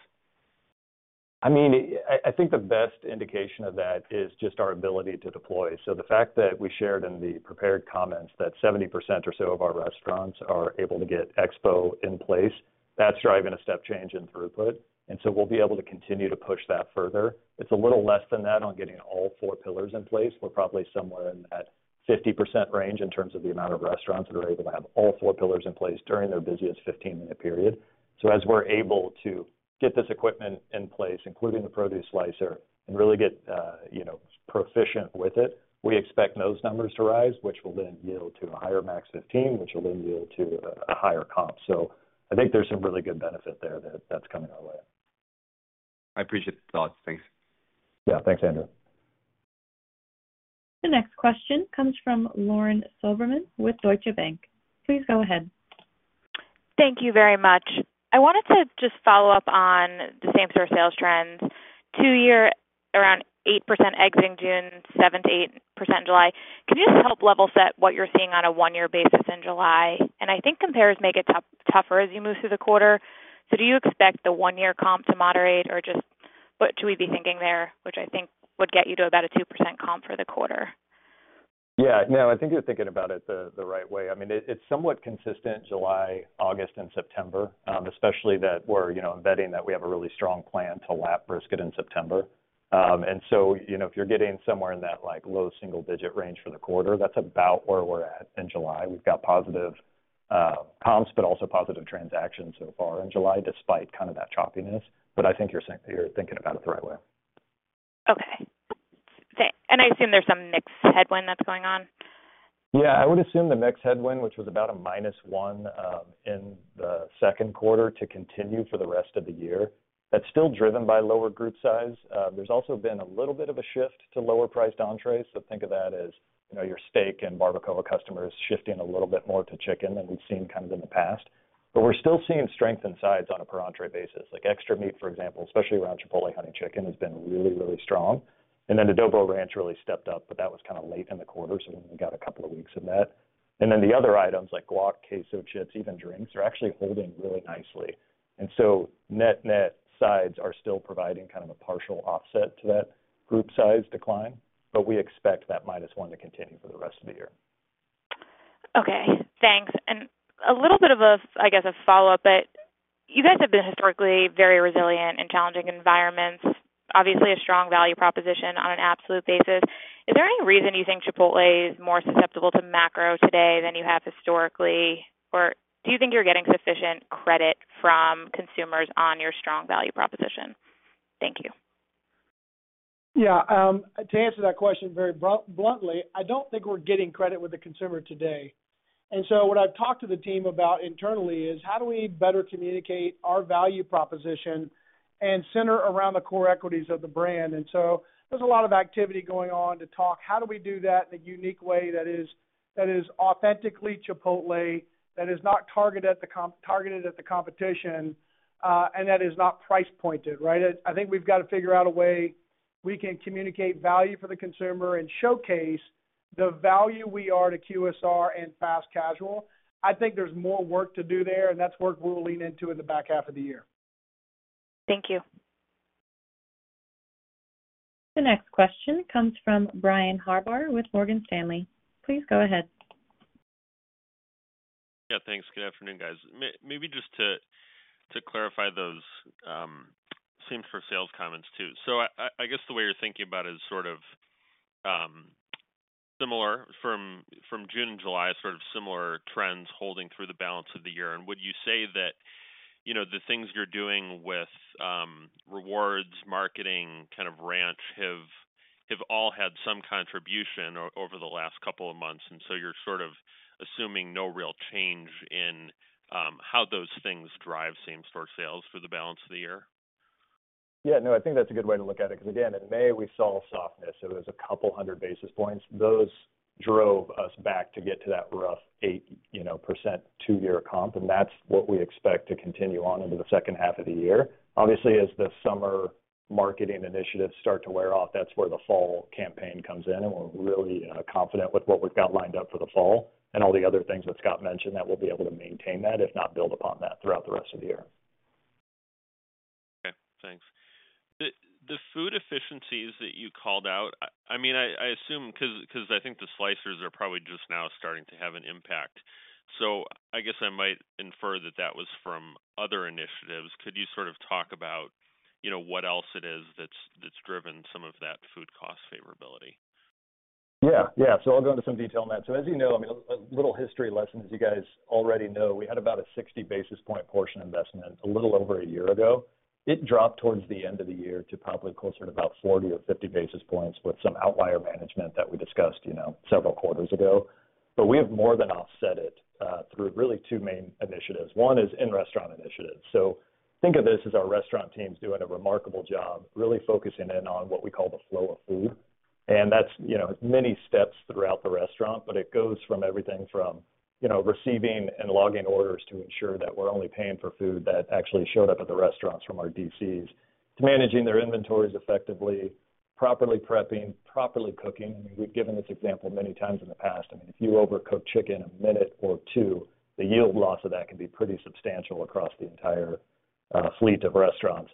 I mean, I think the best indication of that is just our ability to deploy. The fact that we shared in the prepared comments that 70% or so of our restaurants are able to get Expo in place, that's driving a step change in throughput. We will be able to continue to push that further. It's a little less than that on getting all four pillars in place. We're probably somewhere in that 50% range in terms of the amount of restaurants that are able to have all four pillars in place during their busiest 15-minute period. As we're able to get this equipment in place, including the produce slicer, and really get proficient with it, we expect those numbers to rise, which will then yield to a higher max 15, which will then yield to a higher comp. I think there's some really good benefit there that's coming our way. I appreciate the thoughts. Thanks. Yeah. Thanks, Andrew. The next question comes from Lauren Silberman with Deutsche Bank. Please go ahead. Thank you very much. I wanted to just follow up on the same sort of sales trends. Two-year, around 8% exiting June, 7%-8% July. Can you just help level set what you're seeing on a one-year basis in July? I think compares make it tougher as you move through the quarter. Do you expect the one-year comp to moderate, or just what should we be thinking there, which I think would get you to about a 2% comp for the quarter? Yeah. No, I think you're thinking about it the right way. I mean, it's somewhat consistent July, August, and September, especially that we're embedding that we have a really strong plan to lap brisket in September. If you're getting somewhere in that low single-digit range for the quarter, that's about where we're at in July. We've got positive comps, but also positive transactions so far in July, despite kind of that choppiness. I think you're thinking about it the right way. Okay. I assume there's some mixed headwind that's going on? Yeah. I would assume the mixed headwind, which was about a minus one in the second quarter, to continue for the rest of the year. That's still driven by lower group size. There's also been a little bit of a shift to lower-priced entrees. Think of that as your steak and barbacoa customers shifting a little bit more to chicken than we've seen kind of in the past. We're still seeing strength in sides on a per entree basis. Extra meat, for example, especially around Chipotle Honey Chicken, has been really, really strong. The Adobo Ranch really stepped up, but that was kind of late in the quarter. We only got a couple of weeks of that. The other items like guac, queso, chips, even drinks, they're actually holding really nicely. Net-net, sides are still providing kind of a partial offset to that group size decline. We expect that minus one to continue for the rest of the year. Okay. Thanks. A little bit of a, I guess, a follow-up, but you guys have been historically very resilient in challenging environments, obviously a strong value proposition on an absolute basis. Is there any reason you think Chipotle is more susceptible to macro today than you have historically? Or do you think you're getting sufficient credit from consumers on your strong value proposition? Thank you. Yeah. To answer that question very bluntly, I don't think we're getting credit with the consumer today. And so what I've talked to the team about internally is how do we better communicate our value proposition and center around the core equities of the brand. And so there's a lot of activity going on to talk how do we do that in a unique way that is authentically Chipotle, that is not targeted at the competition, and that is not price-pointed, right? I think we've got to figure out a way we can communicate value for the consumer and showcase the value we are to QSR and fast casual. I think there's more work to do there, and that's work we'll lean into in the back half of the year. Thank you. The next question comes from Brian Harbour with Morgan Stanley. Please go ahead. Yeah. Thanks. Good afternoon, guys. Maybe just to clarify those same for sales comments too. So I guess the way you're thinking about it is sort of similar from June and July, sort of similar trends holding through the balance of the year. And would you say that the things you're doing with rewards, marketing, kind of ranch have all had some contribution over the last couple of months? And so you're sort of assuming no real change in how those things drive same-store sales for the balance of the year? Yeah. No, I think that's a good way to look at it. Because again, in May, we saw a softness. It was a couple hundred basis points. Those drove us back to get to that rough 8% two-year comp. And that's what we expect to continue on into the second half of the year. Obviously, as the summer marketing initiatives start to wear off, that's where the fall campaign comes in. And we're really confident with what we've got lined up for the fall and all the other things that Scott mentioned that we'll be able to maintain that, if not build upon that throughout the rest of the year. Okay. Thanks. The food efficiencies that you called out, I mean, I assume because I think the slicers are probably just now starting to have an impact. So I guess I might infer that that was from other initiatives. Could you sort of talk about what else it is that's driven some of that food cost favorability? Yeah. Yeah. So I'll go into some detail on that. So as you know, I mean, a little history lesson, as you guys already know, we had about a 60-basis-point portion investment a little over a year ago. It dropped towards the end of the year to probably closer to about 40 or 50 basis points with some outlier management that we discussed several quarters ago. We have more than offset it through really two main initiatives. One is in-restaurant initiatives. Think of this as our restaurant teams doing a remarkable job, really focusing in on what we call the flow of food. That's many steps throughout the restaurant, but it goes from everything from receiving and logging orders to ensure that we're only paying for food that actually showed up at the restaurants from our DCs to managing their inventories effectively, properly prepping, properly cooking. I mean, we've given this example many times in the past. I mean, if you overcook chicken a minute or two, the yield loss of that can be pretty substantial across the entire fleet of restaurants.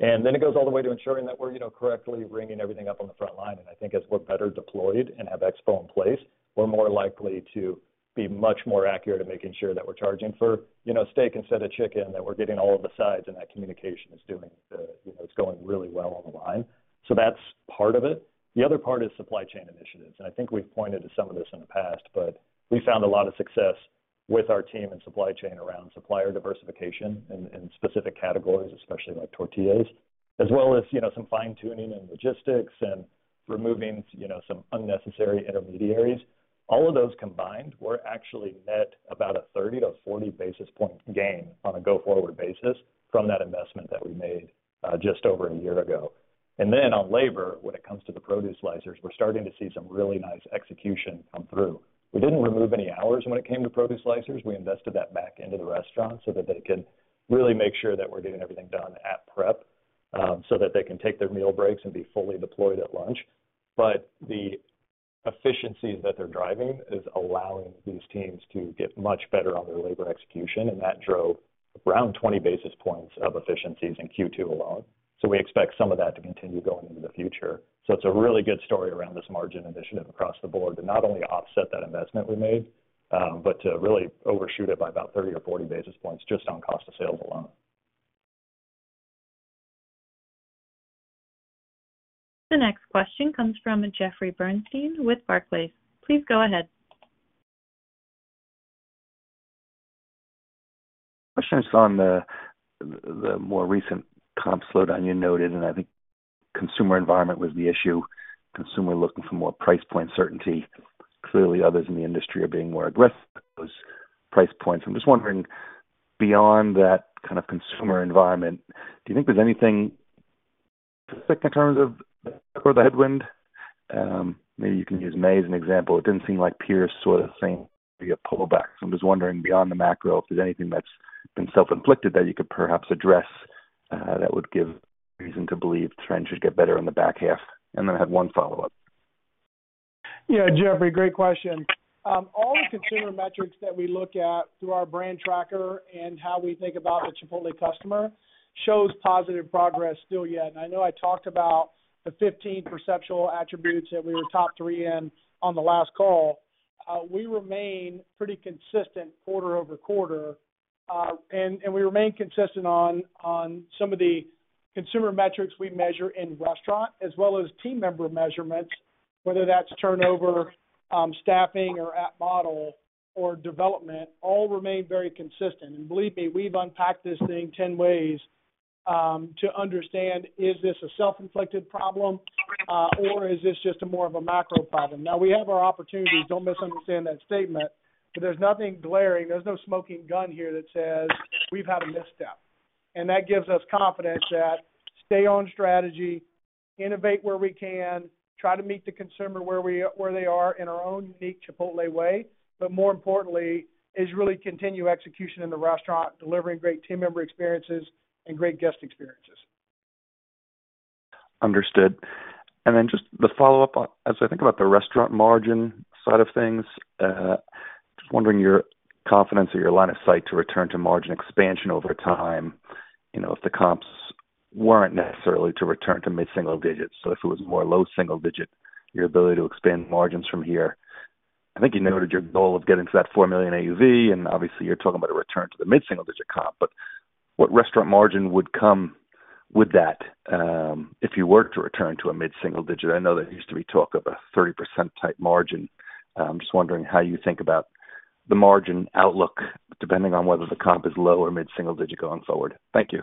It goes all the way to ensuring that we're correctly ringing everything up on the front line. I think as we're better deployed and have Expo in place, we're more likely to be much more accurate in making sure that we're charging for steak instead of chicken, that we're getting all of the sides, and that communication is going really well on the line. That's part of it. The other part is supply chain initiatives. I think we've pointed to some of this in the past, but we found a lot of success with our team and supply chain around supplier diversification in specific categories, especially like tortillas, as well as some fine-tuning in logistics and removing some unnecessary intermediaries. All of those combined, we're actually net about a 30-40 basis point gain on a go-forward basis from that investment that we made just over a year ago. On labor, when it comes to the produce slicers, we're starting to see some really nice execution come through. We didn't remove any hours when it came to produce slicers. We invested that back into the restaurant so that they could really make sure that we're getting everything done at prep so that they can take their meal breaks and be fully deployed at lunch. The efficiencies that they're driving is allowing these teams to get much better on their labor execution. That drove around 20 basis points of efficiencies in Q2 alone. We expect some of that to continue going into the future. It's a really good story around this margin initiative across the board to not only offset that investment we made, but to really overshoot it by about 30 or 40 basis points just on cost of sales alone. The next question comes from Jeffrey Bernstein with Barclays. Please go ahead. Questions on the more recent comp slowdown you noted. I think consumer environment was the issue. Consumer looking for more price point certainty. Clearly, others in the industry are being more aggressive with price points. I'm just wondering, beyond that kind of consumer environment, do you think there's anything specific in terms of the headwind? Maybe you can use May as an example. It didn't seem like peers sort of seemed to be a pullback. I'm just wondering, beyond the macro, if there's anything that's been self-inflicted that you could perhaps address. That would give reason to believe trends should get better in the back half. And then I have one follow-up. Yeah, Jeffrey, great question. All the consumer metrics that we look at through our brand tracker and how we think about the Chipotle customer shows positive progress still yet. I know I talked about the 15 perceptual attributes that we were top three in on the last call. We remain pretty consistent quarter over quarter. We remain consistent on some of the consumer metrics we measure in restaurant, as well as team member measurements, whether that's turnover, staffing, or app model, or development, all remain very consistent. Believe me, we've unpacked this thing 10 ways to understand, is this a self-inflicted problem or is this just more of a macro problem? Now, we have our opportunities. Don't misunderstand that statement. There's nothing glaring. There's no smoking gun here that says we've had a misstep. That gives us confidence that stay-on strategy, innovate where we can, try to meet the consumer where they are in our own unique Chipotle way, but more importantly, really continue execution in the restaurant, delivering great team member experiences and great guest experiences. Understood. And then just the follow-up, as I think about the restaurant margin side of things. Just wondering your confidence or your line of sight to return to margin expansion over time if the comps weren't necessarily to return to mid-single digits. If it was more low single digit, your ability to expand margins from here. I think you noted your goal of getting to that $4 million AUV. Obviously, you're talking about a return to the mid-single digit comp. What restaurant margin would come with that if you were to return to a mid-single digit? I know there used to be talk of a 30% type margin. I'm just wondering how you think about the margin outlook depending on whether the comp is low or mid-single digit going forward. Thank you.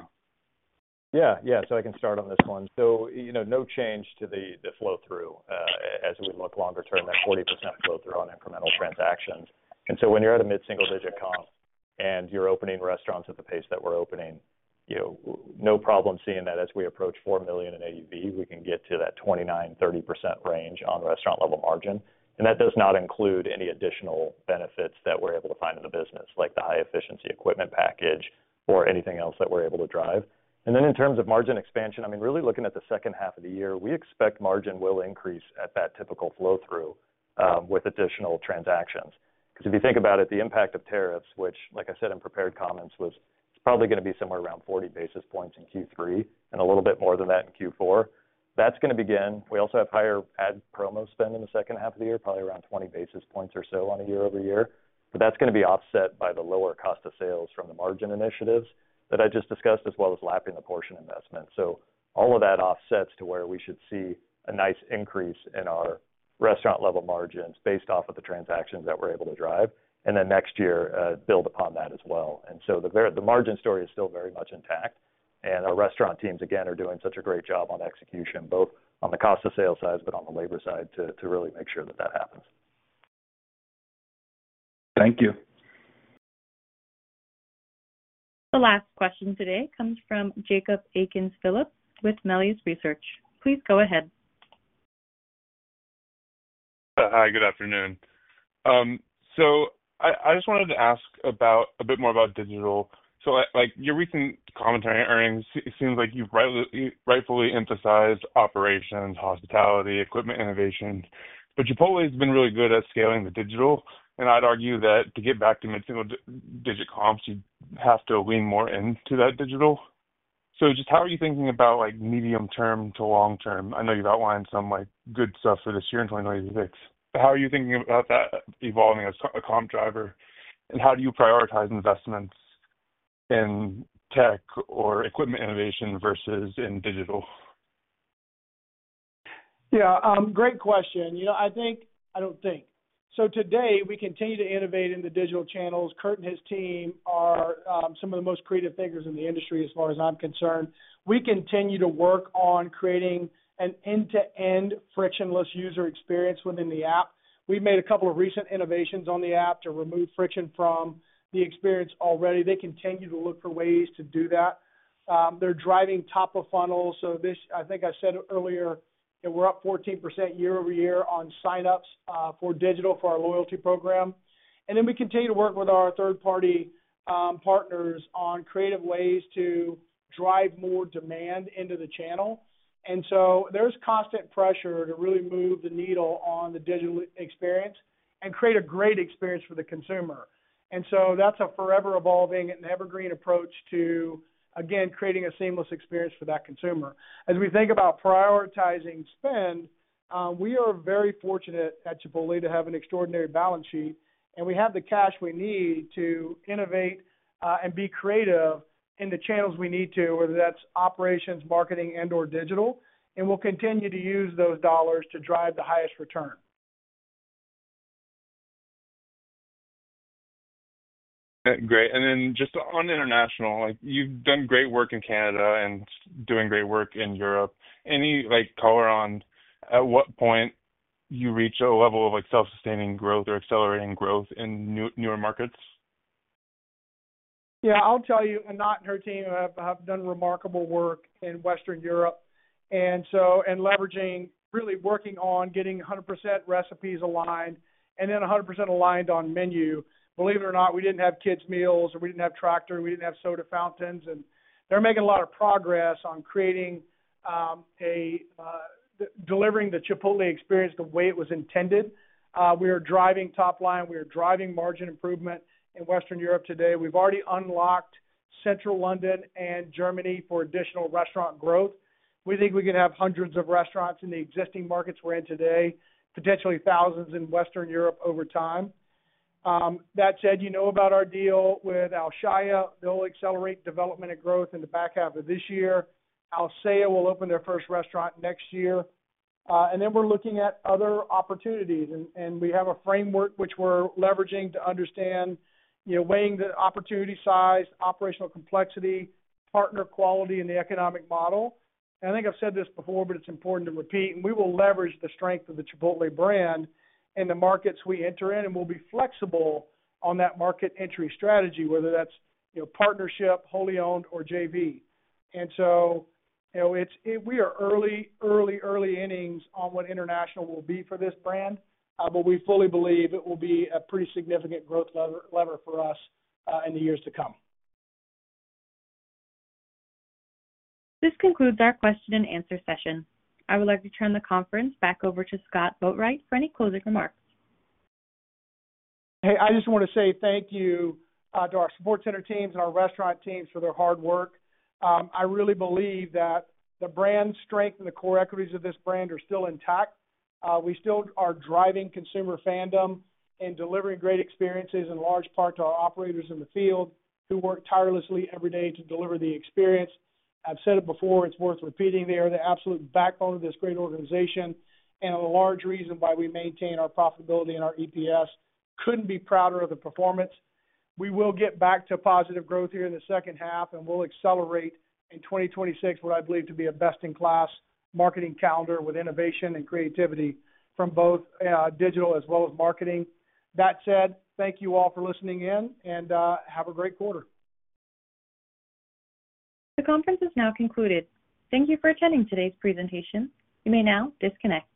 Yeah. Yeah. I can start on this one. No change to the flow-through as we look longer term, that 40% flow-through on incremental transactions. When you're at a mid-single digit comp and you're opening restaurants at the pace that we're opening, no problem seeing that as we approach $4 million in AUV, we can get to that 29-30% range on restaurant-level margin. That does not include any additional benefits that we're able to find in the business, like the High-Efficiency Equipment Package or anything else that we're able to drive. And then in terms of margin expansion, I mean, really looking at the second half of the year, we expect margin will increase at that typical flow-through with additional transactions. Because if you think about it, the impact of tariffs, which, like I said in prepared comments, was it's probably going to be somewhere around 40 basis points in Q3 and a little bit more than that in Q4. That is going to begin. We also have higher ad promo spend in the second half of the year, probably around 20 basis points or so on a year-over-year. But that is going to be offset by the lower cost of sales from the margin initiatives that I just discussed, as well as lapping the portion investment. All of that offsets to where we should see a nice increase in our restaurant-level margins based off of the transactions that we are able to drive. Next year, build upon that as well. The margin story is still very much intact. Our restaurant teams, again, are doing such a great job on execution, both on the cost of sale side but on the labor side, to really make sure that that happens. Thank you. The last question today comes from Jacob Aiken-Phillips with Melius Research. Please go ahead. Hi. Good afternoon. I just wanted to ask a bit more about digital. Your recent commentary on earnings, it seems like you have rightfully emphasized operations, hospitality, equipment innovation. Chipotle has been really good at scaling the digital. I would argue that to get back to mid-single digit comps, you have to lean more into that digital. Just how are you thinking about medium-term to long-term? I know you have outlined some good stuff for this year and 2026. How are you thinking about that evolving as a comp driver? How do you prioritize investments in tech or equipment innovation versus in digital? Yeah. Great question. I think. I do not think. Today, we continue to innovate in the digital channels. Curt and his team are some of the most creative figures in the industry as far as I am concerned. We continue to work on creating an end-to-end frictionless user experience within the app. We have made a couple of recent innovations on the app to remove friction from the experience already. They continue to look for ways to do that. They are driving top of funnel. I think I said earlier, we are up 14% year-over-year on sign-ups for digital for our loyalty program. We continue to work with our third-party partners on creative ways to drive more demand into the channel. There is constant pressure to really move the needle on the digital experience and create a great experience for the consumer. That is a forever-evolving and evergreen approach to, again, creating a seamless experience for that consumer. As we think about prioritizing spend, we are very fortunate at Chipotle to have an extraordinary balance sheet. We have the cash we need to innovate and be creative in the channels we need to, whether that's operations, marketing, and/or digital. We'll continue to use those dollars to drive the highest return. Great. Just on international, you've done great work in Canada and doing great work in Europe. Any color on at what point you reach a level of self-sustaining growth or accelerating growth in newer markets? Yeah. I'll tell you, Anat and her team have done remarkable work in Western Europe. Leveraging, really working on getting 100% recipes aligned and then 100% aligned on menu. Believe it or not, we didn't have kids' meals, or we didn't have Tractor, and we didn't have soda fountains. They're making a lot of progress on delivering the Chipotle experience the way it was intended. We are driving top line. We are driving margin improvement in Western Europe today. We've already unlocked central London and Germany for additional restaurant growth. We think we can have hundreds of restaurants in the existing markets we're in today, potentially thousands in Western Europe over time. That said, you know about our deal with Alshaya. They'll accelerate development and growth in the back half of this year. Alsea will open their first restaurant next year. We're looking at other opportunities. We have a framework which we're leveraging to understand, weighing the opportunity size, operational complexity, partner quality, and the economic model. I think I've said this before, but it's important to repeat. We will leverage the strength of the Chipotle brand in the markets we enter in and will be flexible on that market entry strategy, whether that's partnership, wholly owned, or JV. We are early, early, early innings on what international will be for this brand. We fully believe it will be a pretty significant growth lever for us in the years to come. This concludes our question-and-answer session. I would like to turn the conference back over to Scott Boatwright for any closing remarks. Hey, I just want to say thank you to our support center teams and our restaurant teams for their hard work. I really believe that the brand strength and the core equities of this brand are still intact. We still are driving consumer fandom and delivering great experiences in large part to our operators in the field who work tirelessly every day to deliver the experience. I've said it before. It's worth repeating. They are the absolute backbone of this great organization and a large reason why we maintain our profitability and our EPS. Couldn't be prouder of the performance. We will get back to positive growth here in the second half, and we'll accelerate in 2026 what I believe to be a best-in-class marketing calendar with innovation and creativity from both digital as well as marketing. That said, thank you all for listening in, and have a great quarter. The conference is now concluded. Thank you for attending today's presentation. You may now disconnect.